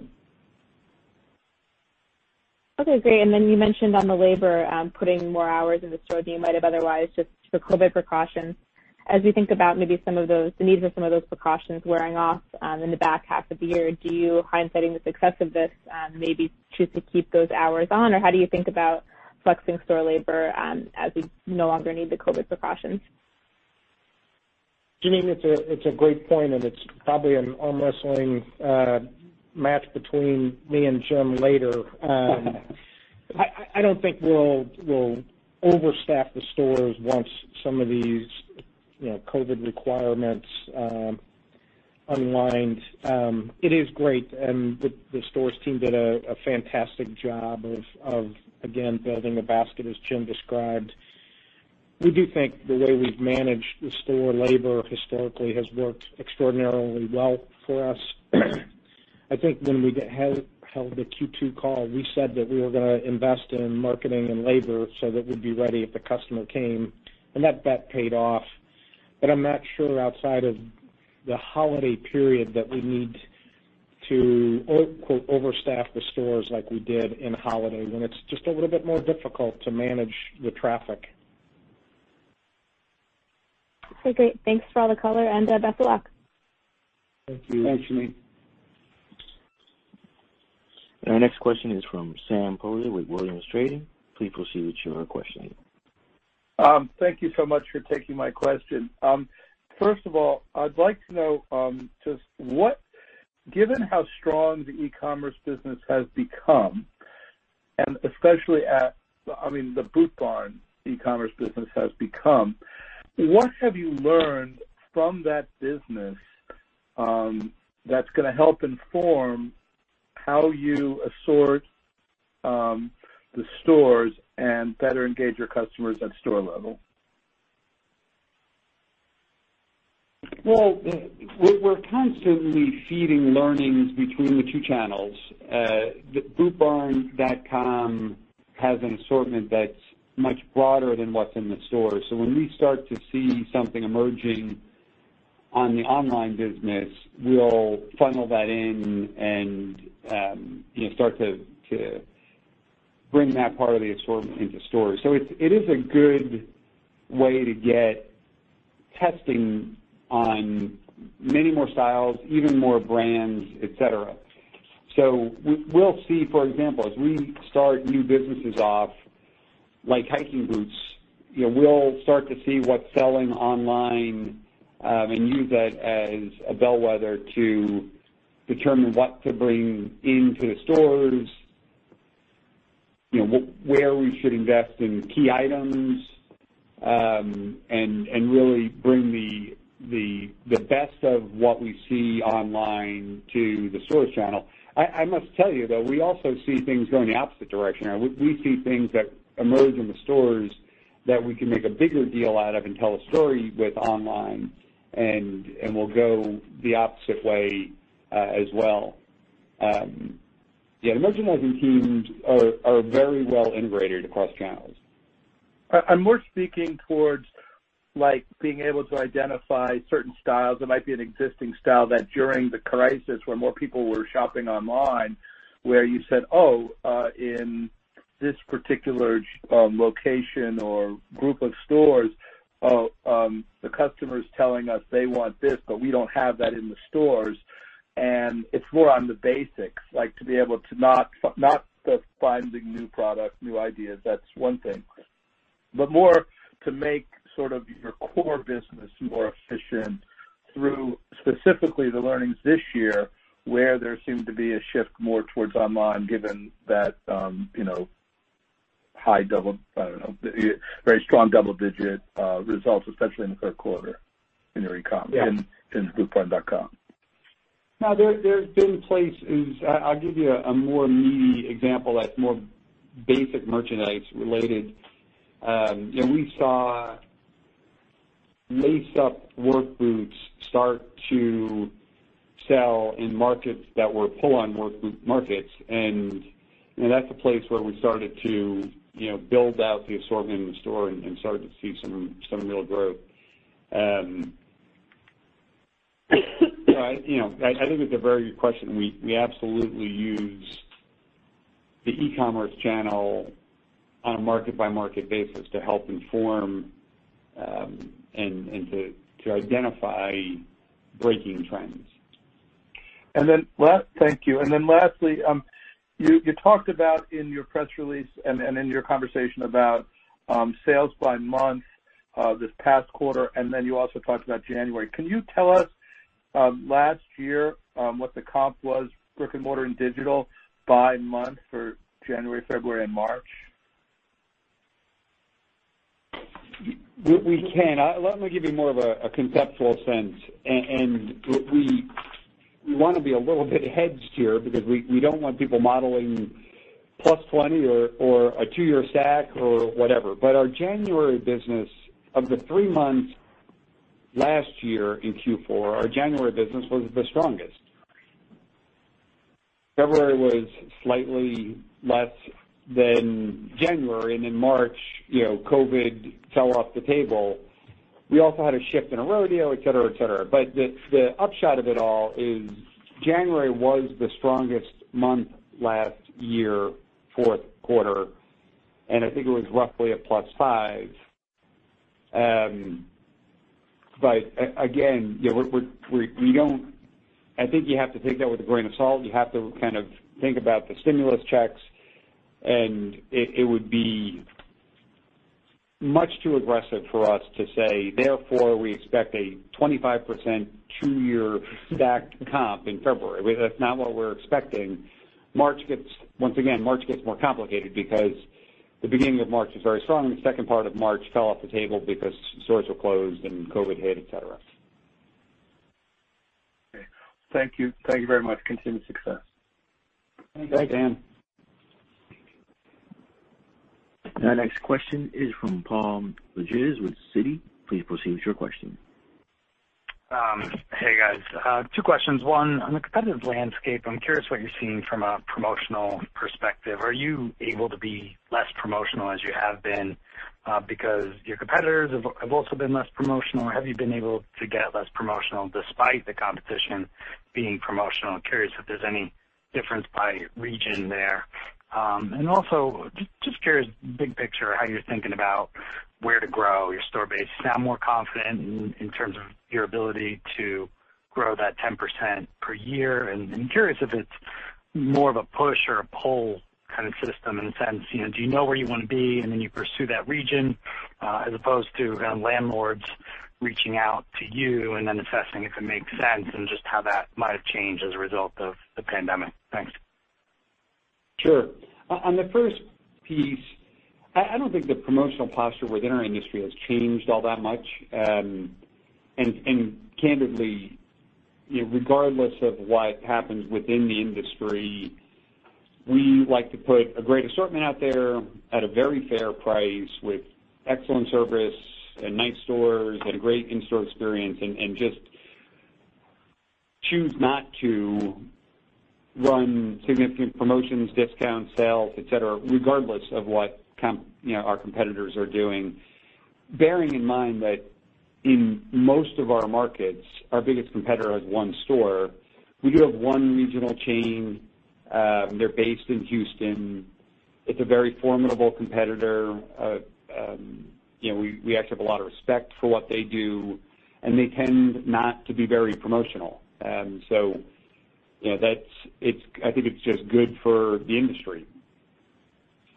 [SPEAKER 10] Okay, great. You mentioned on the labor, putting more hours in the store than you might have otherwise, just for COVID precautions. As we think about maybe the needs of some of those precautions wearing off in the back half of the year, do you, hindsighting the success of this, maybe choose to keep those hours on, or how do you think about flexing store labor as we no longer need the COVID precautions?
[SPEAKER 4] Janine, it's a great point. It's probably an arm wrestling match between me and Jim later. I don't think we'll overstaff the stores once some of these COVID requirements unwind. It is great. The stores team did a fantastic job of, again, building the basket as Jim described. We do think the way we've managed the store labor historically has worked extraordinarily well for us. I think when we held the Q2 call, we said that we were going to invest in marketing and labor so that we'd be ready if the customer came. That bet paid off. I'm not sure outside of the holiday period that we need to quote overstaff the stores like we did in holiday when it's just a little bit more difficult to manage the traffic.
[SPEAKER 10] Okay. Thanks for all the color, and best of luck.
[SPEAKER 3] Thank you.
[SPEAKER 4] Thanks, Janine.
[SPEAKER 1] Our next question is from Sam Poser with Williams Trading. Please proceed with your questioning.
[SPEAKER 11] Thank you so much for taking my question. First of all, I'd like to know, given how strong the eCommerce business has become, and especially at the Boot Barn eCommerce business has become, what have you learned from that business that's going to help inform how you assort the stores and better engage your customers at store level?
[SPEAKER 3] Well, we're constantly feeding learnings between the two channels. The bootbarn.com has an assortment that's much broader than what's in the store. When we start to see something emerging on the online business, we'll funnel that in and start to bring that part of the assortment into stores. It is a good way to get testing on many more styles, even more brands, et cetera. We'll see, for example, as we start new businesses off, like hiking boots, we'll start to see what's selling online and use that as a bellwether to determine what to bring into the stores, where we should invest in key items, and really bring the best of what we see online to the store channel. I must tell you, though, we also see things going the opposite direction. We see things that emerge in the stores that we can make a bigger deal out of and tell a story with online, and we'll go the opposite way as well. Merchandising teams are very well integrated across channels.
[SPEAKER 11] I'm more speaking towards being able to identify certain styles. It might be an existing style that during the crisis, where more people were shopping online, where you said, "Oh, in this particular location or group of stores, the customer is telling us they want this, but we don't have that in the stores." It's more on the basics, like to be able to not just finding new products, new ideas, that's one thing. More to make sort of your core business more efficient through specifically the learnings this year, where there seemed to be a shift more towards online, given that very strong double-digit results, especially in the third quarter in your e-commerce in bootbarn.com.
[SPEAKER 3] There's been places I'll give you a more meaty example that's more basic merchandise related. We saw lace-up work boots start to sell in markets that were pull-on work boot markets. That's a place where we started to build out the assortment in the store and started to see some real growth. I think it's a very good question. We absolutely use the e-commerce channel on a market-by-market basis to help inform and to identify breaking trends.
[SPEAKER 11] Thank you. Lastly, you talked about in your press release and in your conversation about sales by month this past quarter, and then you also talked about January. Can you tell us last year what the comp was, brick and mortar and digital, by month for January, February, and March?
[SPEAKER 3] We can. Let me give you more of a conceptual sense. We want to be a little bit hedged here because we don't want people modeling plus 20 or a two-year stack or whatever. Our January business, of the three months last year in Q4, our January business was the strongest. February was slightly less than January, and in March, COVID fell off the table. We also had a shift in a rodeo, et cetera. The upshot of it all is January was the strongest month last year, fourth quarter, and I think it was roughly a plus five. Again, I think you have to take that with a grain of salt. You have to think about the stimulus checks, and it would be much too aggressive for us to say, therefore, we expect a 25% two-year stacked comp in February. That's not what we're expecting. Once again, March gets more complicated because the beginning of March is very strong, and the second part of March fell off the table because stores were closed and COVID hit, et cetera.
[SPEAKER 11] Okay. Thank you. Thank you very much. Continued success.
[SPEAKER 3] Thanks.
[SPEAKER 4] Thanks, Sam.
[SPEAKER 1] Our next question is from Paul Lejuez with Citi. Please proceed with your question.
[SPEAKER 12] Hey, guys. Two questions. One, on the competitive landscape, I'm curious what you're seeing from a promotional perspective. Are you able to be less promotional as you have been because your competitors have also been less promotional, or have you been able to get less promotional despite the competition being promotional? I'm curious if there's any difference by region there. Also, just curious big picture, how you're thinking about where to grow your store base. You sound more confident in terms of your ability to grow that 10% per year. I'm curious if it's more of a push or a pull kind of system in a sense. Do you know where you want to be and then you pursue that region, as opposed to landlords reaching out to you and then assessing if it makes sense and just how that might have changed as a result of the pandemic? Thanks.
[SPEAKER 3] Sure. On the first piece, I don't think the promotional posture within our industry has changed all that much. Candidly, regardless of what happens within the industry, we like to put a great assortment out there at a very fair price with excellent service and nice stores and a great in-store experience, and just choose not to run significant promotions, discounts, sales, et cetera, regardless of what our competitors are doing. Bearing in mind that in most of our markets, our biggest competitor has one store. We do have one regional chain. They're based in Houston. It's a very formidable competitor. We actually have a lot of respect for what they do, and they tend not to be very promotional. I think it's just good for the industry.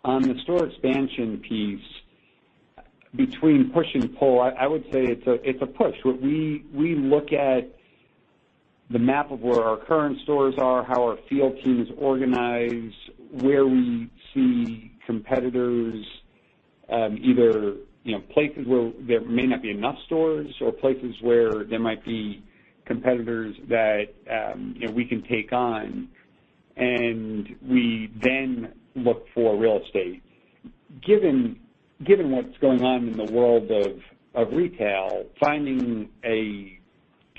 [SPEAKER 3] On the store expansion piece, between push and pull, I would say it's a push. We look at the map of where our current stores are, how our field team is organized, where we see competitors, either places where there may not be enough stores or places where there might be competitors that we can take on. We then look for real estate. Given what's going on in the world of retail, finding a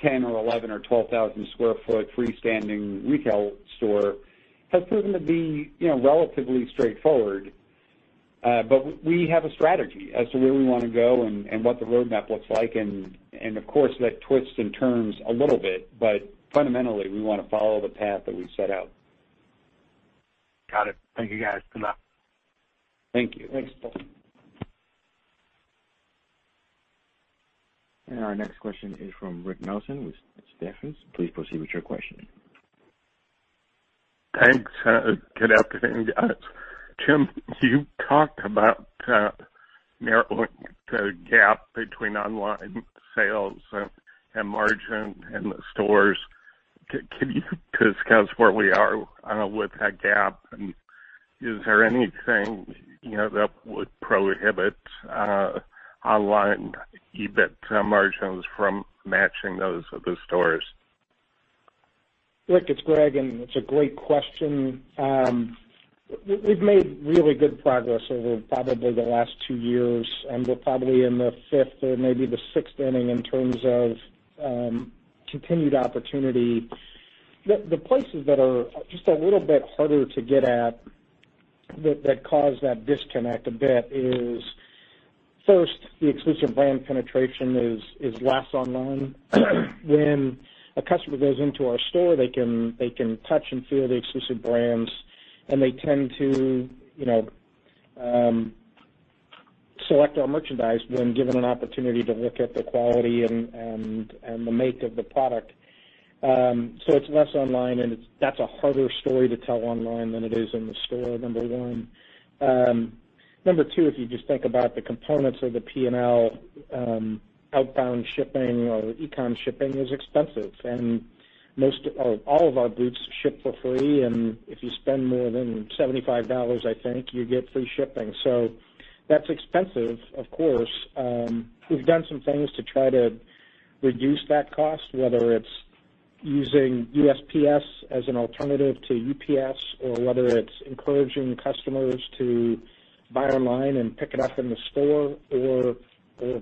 [SPEAKER 3] 10,000 sq ft or 11,000 sq ft or 12,000 sq ft freestanding retail store has proven to be relatively straightforward. We have a strategy as to where we want to go and what the roadmap looks like. Of course, that twists and turns a little bit, but fundamentally, we want to follow the path that we set out.
[SPEAKER 12] Got it. Thank you, guys. Good luck.
[SPEAKER 3] Thank you.
[SPEAKER 4] Thanks.
[SPEAKER 1] Our next question is from Rick Nelson with Stephens. Please proceed with your question.
[SPEAKER 13] Thanks. Good afternoon, guys. Jim, you talked about narrowing the gap between online sales and margin in the stores. Can you discuss where we are with that gap? Is there anything that would prohibit online EBIT margins from matching those of the stores?
[SPEAKER 4] Rick, it's Greg. It's a great question. We've made really good progress over probably the last two years. We're probably in the fifth or maybe the sixth inning in terms of continued opportunity. The places that are just a little bit harder to get at that cause that disconnect a bit is first, the exclusive brand penetration is less online. When a customer goes into our store, they can touch and feel the exclusive brands. They tend to select our merchandise when given an opportunity to look at the quality and the make of the product. It's less online. That's a harder story to tell online than it is in the store, number one. Number two, if you just think about the components of the P&L, outbound shipping or e-com shipping is expensive, and all of our boots ship for free, and if you spend more than $75, I think you get free shipping. That's expensive, of course. We've done some things to try to reduce that cost, whether it's using USPS as an alternative to UPS, or whether it's encouraging customers to buy online and pick it up in the store.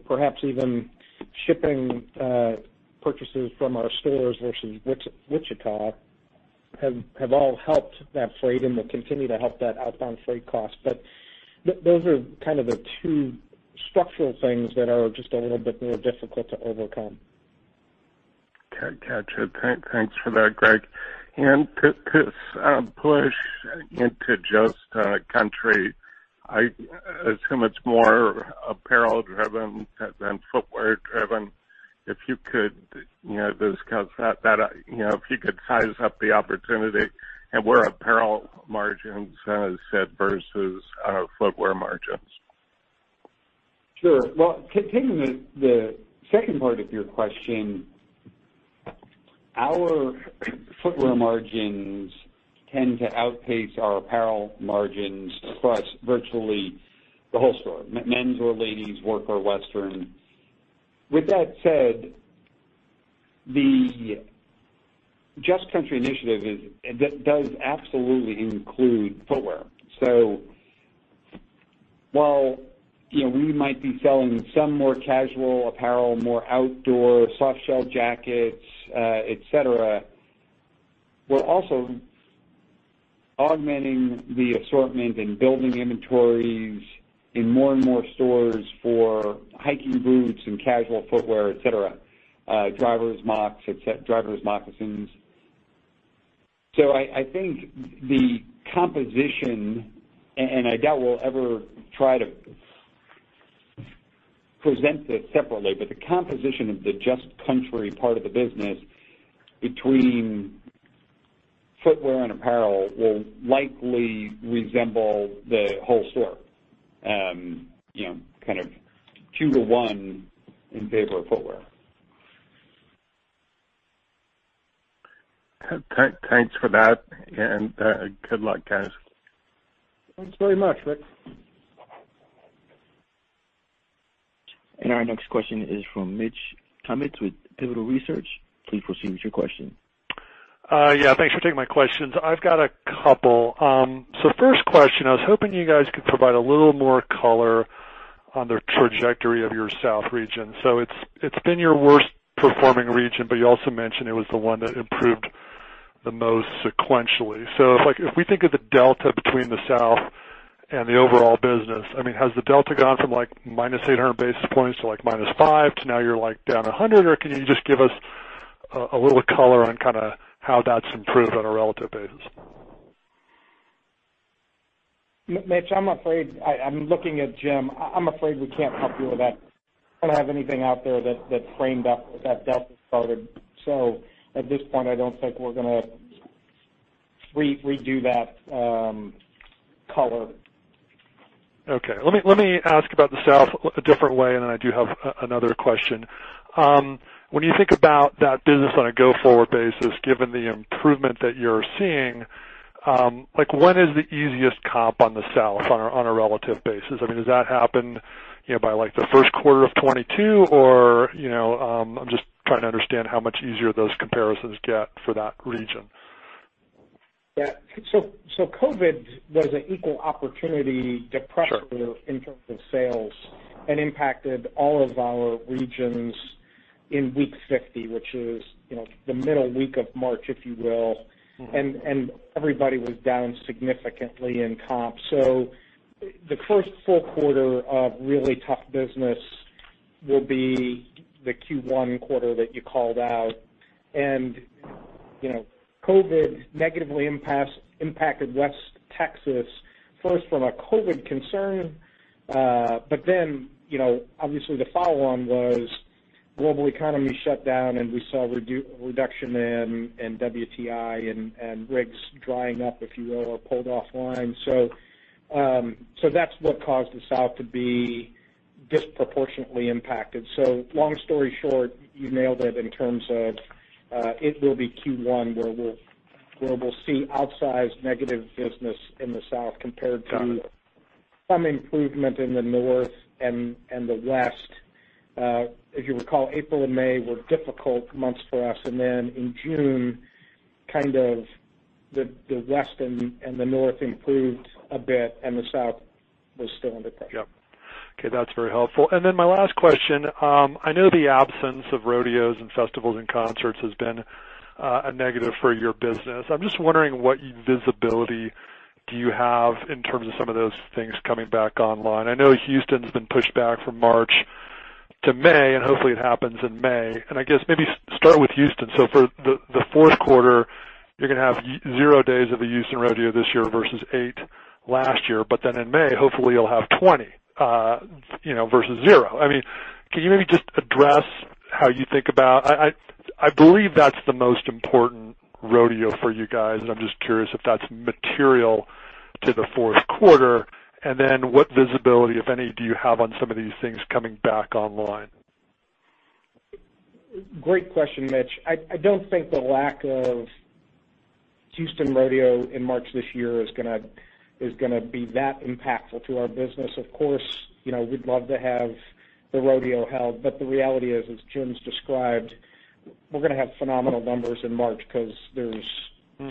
[SPEAKER 4] Perhaps even shipping purchases from our stores versus Wichita have all helped that freight and will continue to help that outbound freight cost. Those are kind of the two structural things that are just a little bit more difficult to overcome.
[SPEAKER 13] Gotcha. Thanks for that, Greg. To push into Just Country, it's much more apparel driven than footwear driven. If you could discuss that, if you could size up the opportunity and where apparel margins sit versus footwear margins.
[SPEAKER 3] Sure. Well, taking the second part of your question, our footwear margins tend to outpace our apparel margins across virtually the whole store, men's or ladies', work or western. With that said, the Just Country initiative does absolutely include footwear. While we might be selling some more casual apparel, more outdoor soft shell jackets, et cetera, we're also augmenting the assortment and building inventories in more and more stores for hiking boots and casual footwear, et cetera, drivers' moccasins. I think the composition, and I doubt we'll ever try to present this separately, but the composition of the Just Country part of the business between footwear and apparel will likely resemble the whole store. Kind of two to one in favor of footwear.
[SPEAKER 13] Thanks for that, and good luck, guys.
[SPEAKER 4] Thanks very much, Rick.
[SPEAKER 1] Our next question is from Mitch Kummetz with Pivotal Research. Please proceed with your question.
[SPEAKER 14] Yeah, thanks for taking my questions. I've got a couple. First question, I was hoping you guys could provide a little more color on the trajectory of your South region. It's been your worst performing region, but you also mentioned it was the one that improved the most sequentially. If we think of the delta between the South and the overall business, has the delta gone from, like, -800 basis points to -5 basis points to now you're down 100 basis points? Or can you just give us a little color on how that's improved on a relative basis?
[SPEAKER 4] Mitch, I'm looking at Jim. I'm afraid we can't help you with that. I don't have anything out there that's framed up with that delta started. At this point, I don't think we're going to redo that color.
[SPEAKER 14] Okay. Let me ask about the South a different way, and then I do have another question. When you think about that business on a go-forward basis, given the improvement that you're seeing, when is the easiest comp on the South on a relative basis? Does that happen by the first quarter of 2022? I'm just trying to understand how much easier those comparisons get for that region.
[SPEAKER 4] Yeah. COVID was an equal opportunity depressor in terms of sales, and impacted all of our regions in week 50, which is the middle week of March, if you will. Everybody was down significantly in comp. The first full quarter of really tough business will be the Q1 quarter that you called out. COVID negatively impacted West Texas, first from a COVID concern. Then, obviously the follow-on was global economy shut down, and we saw a reduction in WTI and rigs drying up, if you will, or pulled offline. That's what caused the South to be disproportionately impacted. Long story short, you nailed it in terms of, it will be Q1 where we'll see outsized negative business in the South compared to some improvement in the north and the west. If you recall, April and May were difficult months for us, and then in June, the west and the north improved a bit, and the south was still in the ditch.
[SPEAKER 14] Yep. Okay. That's very helpful. My last question, I know the absence of rodeos and festivals and concerts has been a negative for your business. I'm just wondering what visibility do you have in terms of some of those things coming back online? I know Houston's been pushed back from March to May, and hopefully it happens in May. I guess maybe start with Houston. For the fourth quarter, you're going to have zero days of the Houston Rodeo this year versus eight last year. In May, hopefully you'll have 20 days, versus zero days. Can you maybe just address how you think about I believe that's the most important rodeo for you guys, and I'm just curious if that's material to the fourth quarter. What visibility, if any, do you have on some of these things coming back online?
[SPEAKER 4] Great question, Mitch. I don't think the lack of Houston Rodeo in March this year is going to be that impactful to our business. Of course, we'd love to have the rodeo held, but the reality is, as Jim's described, we're going to have phenomenal numbers in March because there's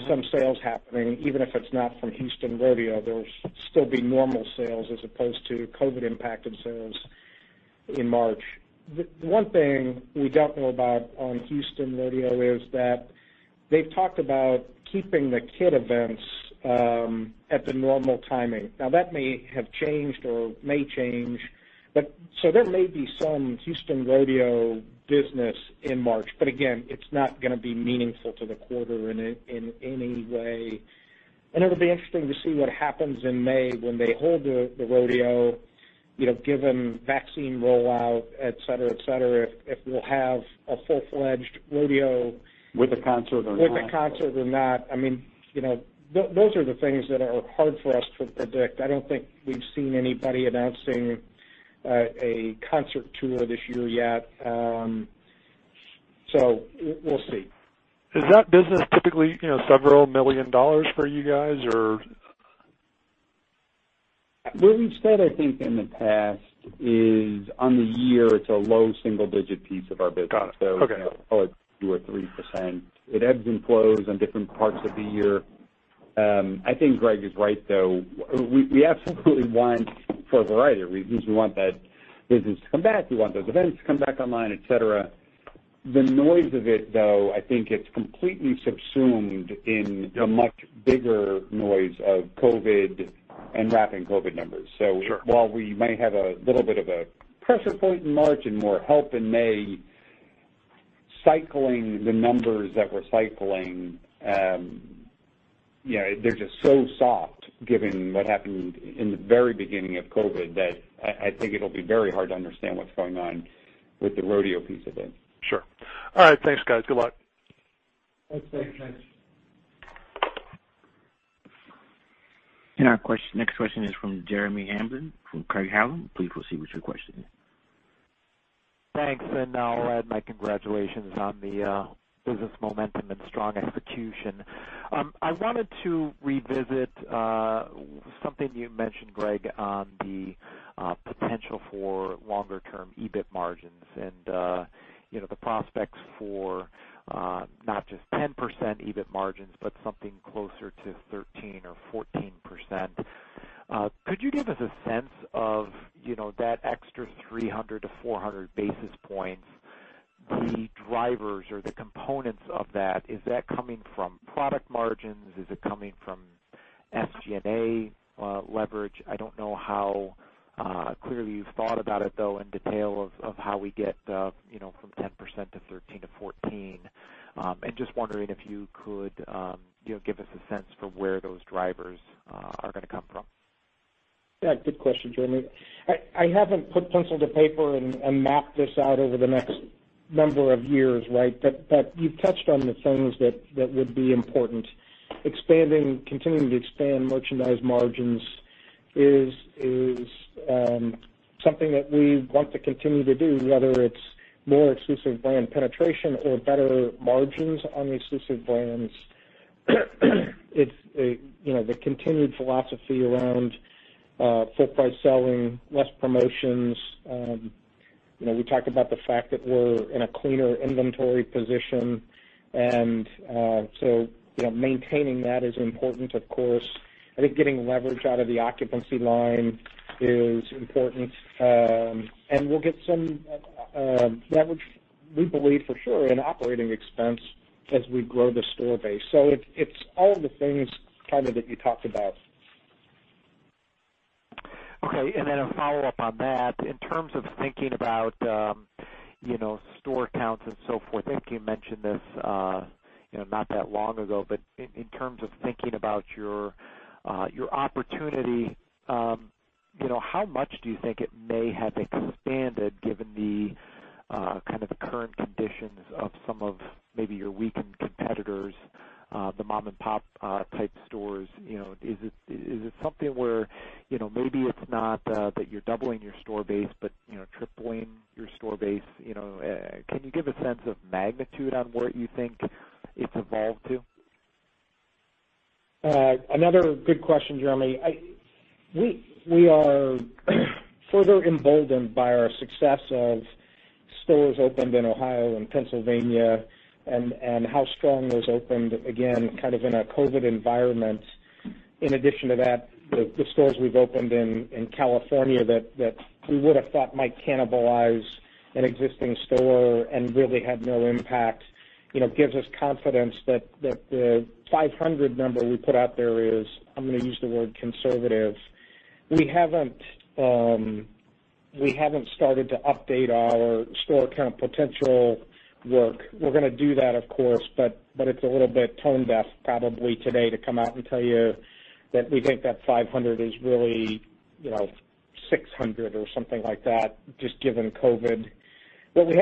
[SPEAKER 4] some sales happening. Even if it's not from Houston Rodeo, there'll still be normal sales as opposed to COVID impacted sales in March. The one thing we don't know about on Houston Rodeo is that they've talked about keeping the kid events at the normal timing. Now, that may have changed or may change, but there may be some Houston Rodeo business in March. Again, it's not going to be meaningful to the quarter in any way. It'll be interesting to see what happens in May when they hold the rodeo, given vaccine rollout, et cetera. If we'll have a full-fledged rodeo.
[SPEAKER 3] With a concert or not.
[SPEAKER 4] With a concert or not. Those are the things that are hard for us to predict. I don't think we've seen anybody announcing a concert tour this year yet. We'll see.
[SPEAKER 14] Is that business typically several million dollars for you guys, or?
[SPEAKER 3] What we've said, I think, in the past is on the year, it's a low single-digit piece of our business.
[SPEAKER 14] Got it. Okay.
[SPEAKER 3] Call it 2% or 3%. It ebbs and flows on different parts of the year. I think Greg is right, though. We absolutely want, for a variety of reasons, we want that business to come back. We want those events to come back online, et cetera. The noise of it, though, I think it's completely subsumed in the much bigger noise of COVID and wrapping COVID numbers.
[SPEAKER 14] Sure.
[SPEAKER 3] While we may have a little bit of a pressure point in March and more help in May, cycling the numbers that we're cycling, they're just so soft given what happened in the very beginning of COVID that I think it'll be very hard to understand what's going on with the rodeo piece of it.
[SPEAKER 14] Sure. All right, thanks, guys. Good luck.
[SPEAKER 4] Thanks, Mitch.
[SPEAKER 3] Thanks.
[SPEAKER 1] Our next question is from Jeremy Hamblin from Craig-Hallum. Please proceed with your question.
[SPEAKER 15] Thanks, I'll add my congratulations on the business momentum and strong execution. I wanted to revisit something you mentioned, Greg, on the potential for longer-term EBIT margins and the prospects for not just 10% EBIT margins, but something closer to 13% or 14%. Could you give us a sense of that extra 300 to 400 basis points, the drivers or the components of that? Is that coming from product margins? Is it coming from SG&A leverage? I don't know how clearly you've thought about it, though, in detail of how we get from 10% to 13%-14%. Just wondering if you could give us a sense for where those drivers are going to come from.
[SPEAKER 4] Yeah, good question, Jeremy. I haven't put pencil to paper and mapped this out over the next number of years, right? You've touched on the things that would be important. Continuing to expand merchandise margins is something that we want to continue to do, whether it's more exclusive brand penetration or better margins on the exclusive brands. The continued philosophy around full price selling, less promotions. We talked about the fact that we're in a cleaner inventory position, and so maintaining that is important, of course. I think getting leverage out of the occupancy line is important. We'll get some leverage, we believe for sure, in operating expense as we grow the store base. It's all the things that you talked about.
[SPEAKER 15] Okay, a follow-up on that. In terms of thinking about store counts and so forth, I think you mentioned this not that long ago, but in terms of thinking about your opportunity, how much do you think it may have expanded given the current conditions of some of maybe your weakened competitors, the mom-and-pop type stores? Is it something where maybe it's not that you're doubling your store base but tripling your store base? Can you give a sense of magnitude on where you think it's evolved to?
[SPEAKER 3] Another good question, Jeremy. We are further emboldened by our success of stores opened in Ohio and Pennsylvania and how strong those opened, again, in a COVID environment. In addition to that, the stores we've opened in California that we would've thought might cannibalize an existing store and really had no impact gives us confidence that the 500 number we put out there is, I'm going to use the word conservative. We haven't started to update our store count potential work. We're going to do that, of course, it's a little bit tone deaf probably today to come out and tell you that we think that 500 is really 600 or something like that just given COVID. In the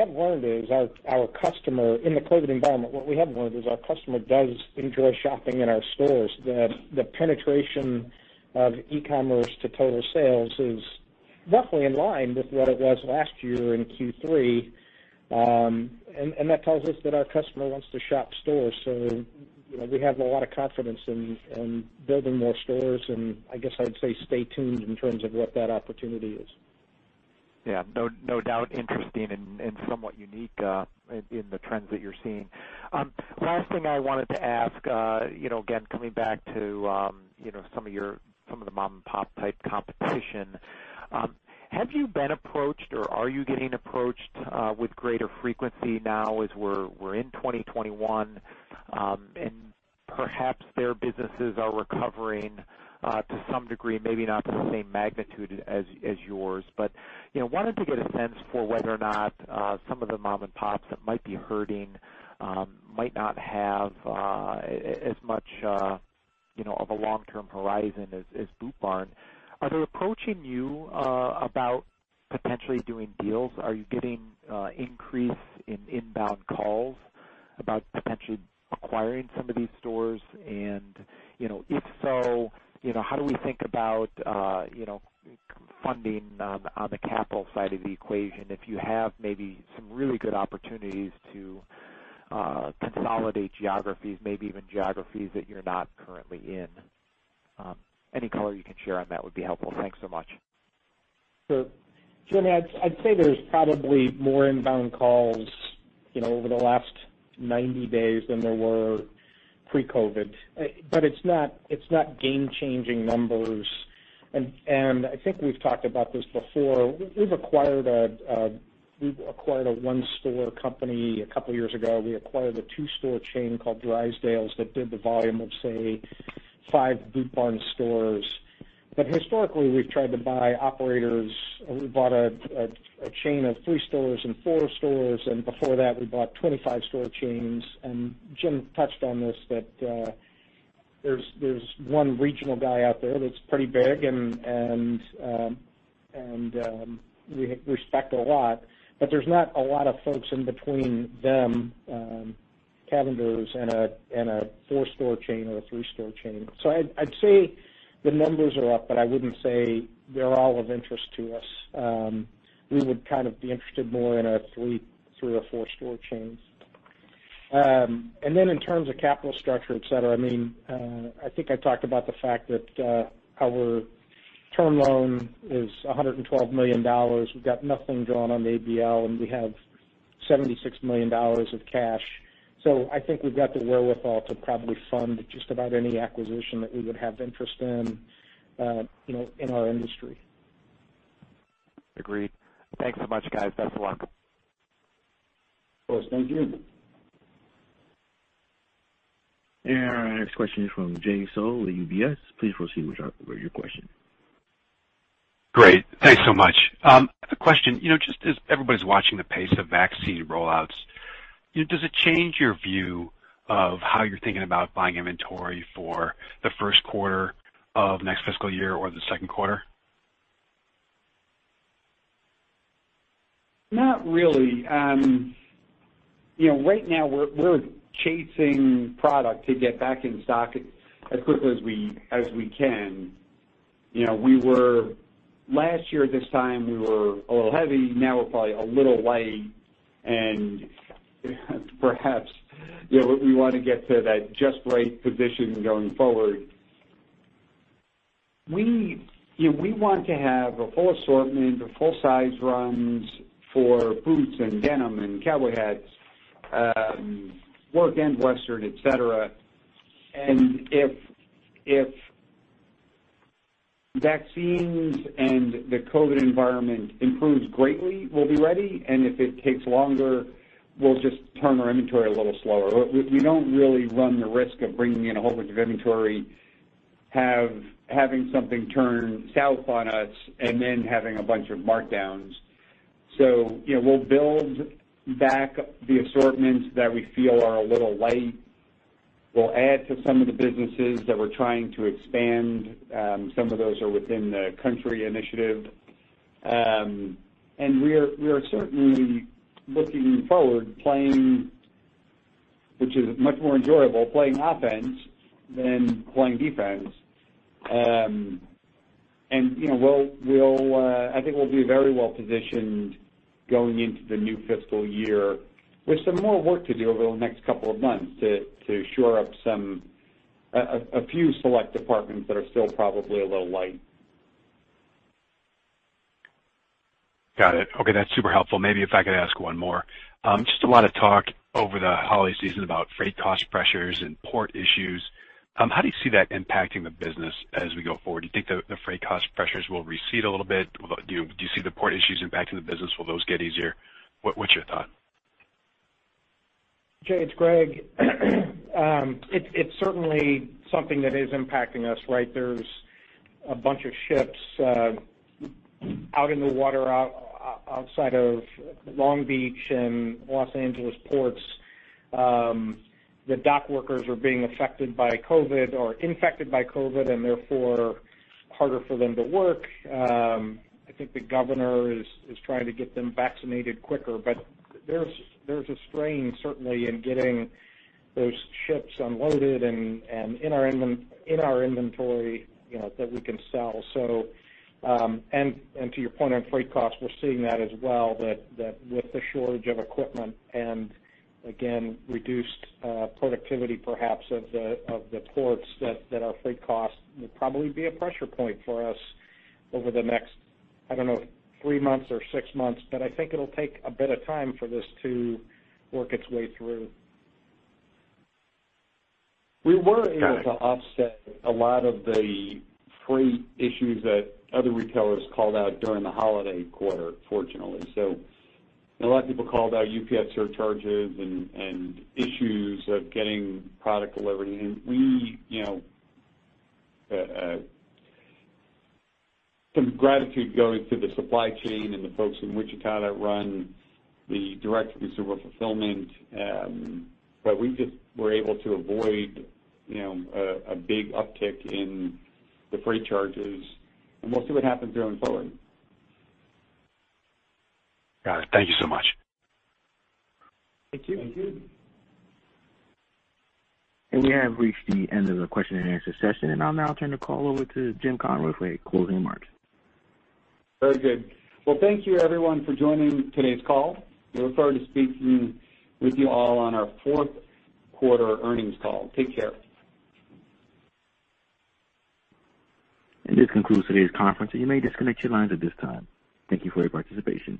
[SPEAKER 3] COVID environment, what we have learned is our customer does enjoy shopping in our stores. The penetration of e-commerce to total sales is roughly in line with what it was last year in Q3. That tells us that our customer wants to shop stores. We have a lot of confidence in building more stores and I guess I'd say stay tuned in terms of what that opportunity is.
[SPEAKER 15] Yeah. No doubt. Interesting and somewhat unique in the trends that you're seeing. Last thing I wanted to ask, again, coming back to some of the mom-and-pop type competition. Have you been approached or are you getting approached with greater frequency now as we're in 2021, and perhaps their businesses are recovering to some degree, maybe not to the same magnitude as yours. Wanted to get a sense for whether or not some of the mom-and-pops that might be hurting might not have as much of a long-term horizon as Boot Barn. Are they approaching you about potentially doing deals? Are you getting increase in inbound calls about potentially acquiring some of these stores? If so, how do we think about funding on the capital side of the equation if you have maybe some really good opportunities to consolidate geographies, maybe even geographies that you're not currently in? Any color you can share on that would be helpful. Thanks so much.
[SPEAKER 4] Jeremy, I'd say there's probably more inbound calls over the last 90 days than there were pre-COVID. It's not game-changing numbers. I think we've talked about this before. We've acquired a one-store company a couple years ago. We acquired a two-store chain called Drysdales that did the volume of, say, five Boot Barn stores. Historically, we've tried to buy operators. We bought a chain of three stores and four stores, and before that, we bought 25-store chains. Jim touched on this, that there's one regional guy out there that's pretty big and we respect a lot, but there's not a lot of folks in between them, Cavender's, and a four-store chain or a three-store chain. I'd say the numbers are up, but I wouldn't say they're all of interest to us. We would be interested more in a three or four-store chains. In terms of capital structure, et cetera, I think I talked about the fact that our term loan is $112 million. We've got nothing drawn on the ABL, and we have $76 million of cash. I think we've got the wherewithal to probably fund just about any acquisition that we would have interest in our industry.
[SPEAKER 15] Agreed. Thanks so much, guys. Best of luck.
[SPEAKER 4] Of course. Thank you.
[SPEAKER 1] Our next question is from Jay Sole with UBS. Please proceed with your question.
[SPEAKER 16] Great. Thanks so much. A question. Just as everybody's watching the pace of vaccine roll-outs, does it change your view of how you're thinking about buying inventory for the first quarter of next fiscal year or the second quarter?
[SPEAKER 3] Not really. Right now, we're chasing product to get back in stock as quickly as we can. Last year, this time, we were a little heavy. Now we're probably a little light and perhaps we want to get to that just right position going forward. We want to have a full assortment of full size runs for boots and denim and cowboy hats, work and western, et cetera. If vaccines and the COVID-19 environment improves greatly, we'll be ready, and if it takes longer, we'll just turn our inventory a little slower. We don't really run the risk of bringing in a whole bunch of inventory, having something turn south on us, and then having a bunch of markdowns. We'll build back the assortments that we feel are a little light. We'll add to some of the businesses that we're trying to expand. Some of those are within the country initiative. We are certainly looking forward, which is much more enjoyable, playing offense than playing defense. I think we'll be very well positioned going into the new fiscal year with some more work to do over the next couple of months to shore up a few select departments that are still probably a little light.
[SPEAKER 16] Got it. Okay, that's super helpful. Maybe if I could ask one more. Just a lot of talk over the holiday season about freight cost pressures and port issues. How do you see that impacting the business as we go forward? Do you think the freight cost pressures will recede a little bit? Do you see the port issues impacting the business? Will those get easier? What's your thought?
[SPEAKER 4] Jay, it's Greg. It's certainly something that is impacting us, right? There's a bunch of ships out in the water outside of Long Beach and Los Angeles ports. The dock workers are being affected by COVID or infected by COVID, and therefore, harder for them to work. I think the governor is trying to get them vaccinated quicker. There's a strain, certainly, in getting those ships unloaded and in our inventory that we can sell. To your point on freight costs, we're seeing that as well, that with the shortage of equipment and again, reduced productivity perhaps of the ports, that our freight costs will probably be a pressure point for us over the next, I don't know, three months or six months. I think it'll take a bit of time for this to work its way through. We were able to offset a lot of the freight issues that other retailers called out during the holiday quarter, fortunately. A lot of people called out UPS surcharges and issues of getting product delivery. Some gratitude going to the supply chain and the folks in Wichita that run the direct-to-consumer fulfillment. We just were able to avoid a big uptick in the freight charges, and we'll see what happens going forward.
[SPEAKER 16] Got it. Thank you so much.
[SPEAKER 3] Thank you.
[SPEAKER 1] We have reached the end of the question and answer session, and I'll now turn the call over to Jim Conroy for any closing remarks.
[SPEAKER 3] Very good. Well, thank you everyone for joining today's call. We look forward to speaking with you all on our fourth quarter earnings call. Take care.
[SPEAKER 1] And this concludes today's conference, and you may disconnect your lines at this time. Thank you for your participation.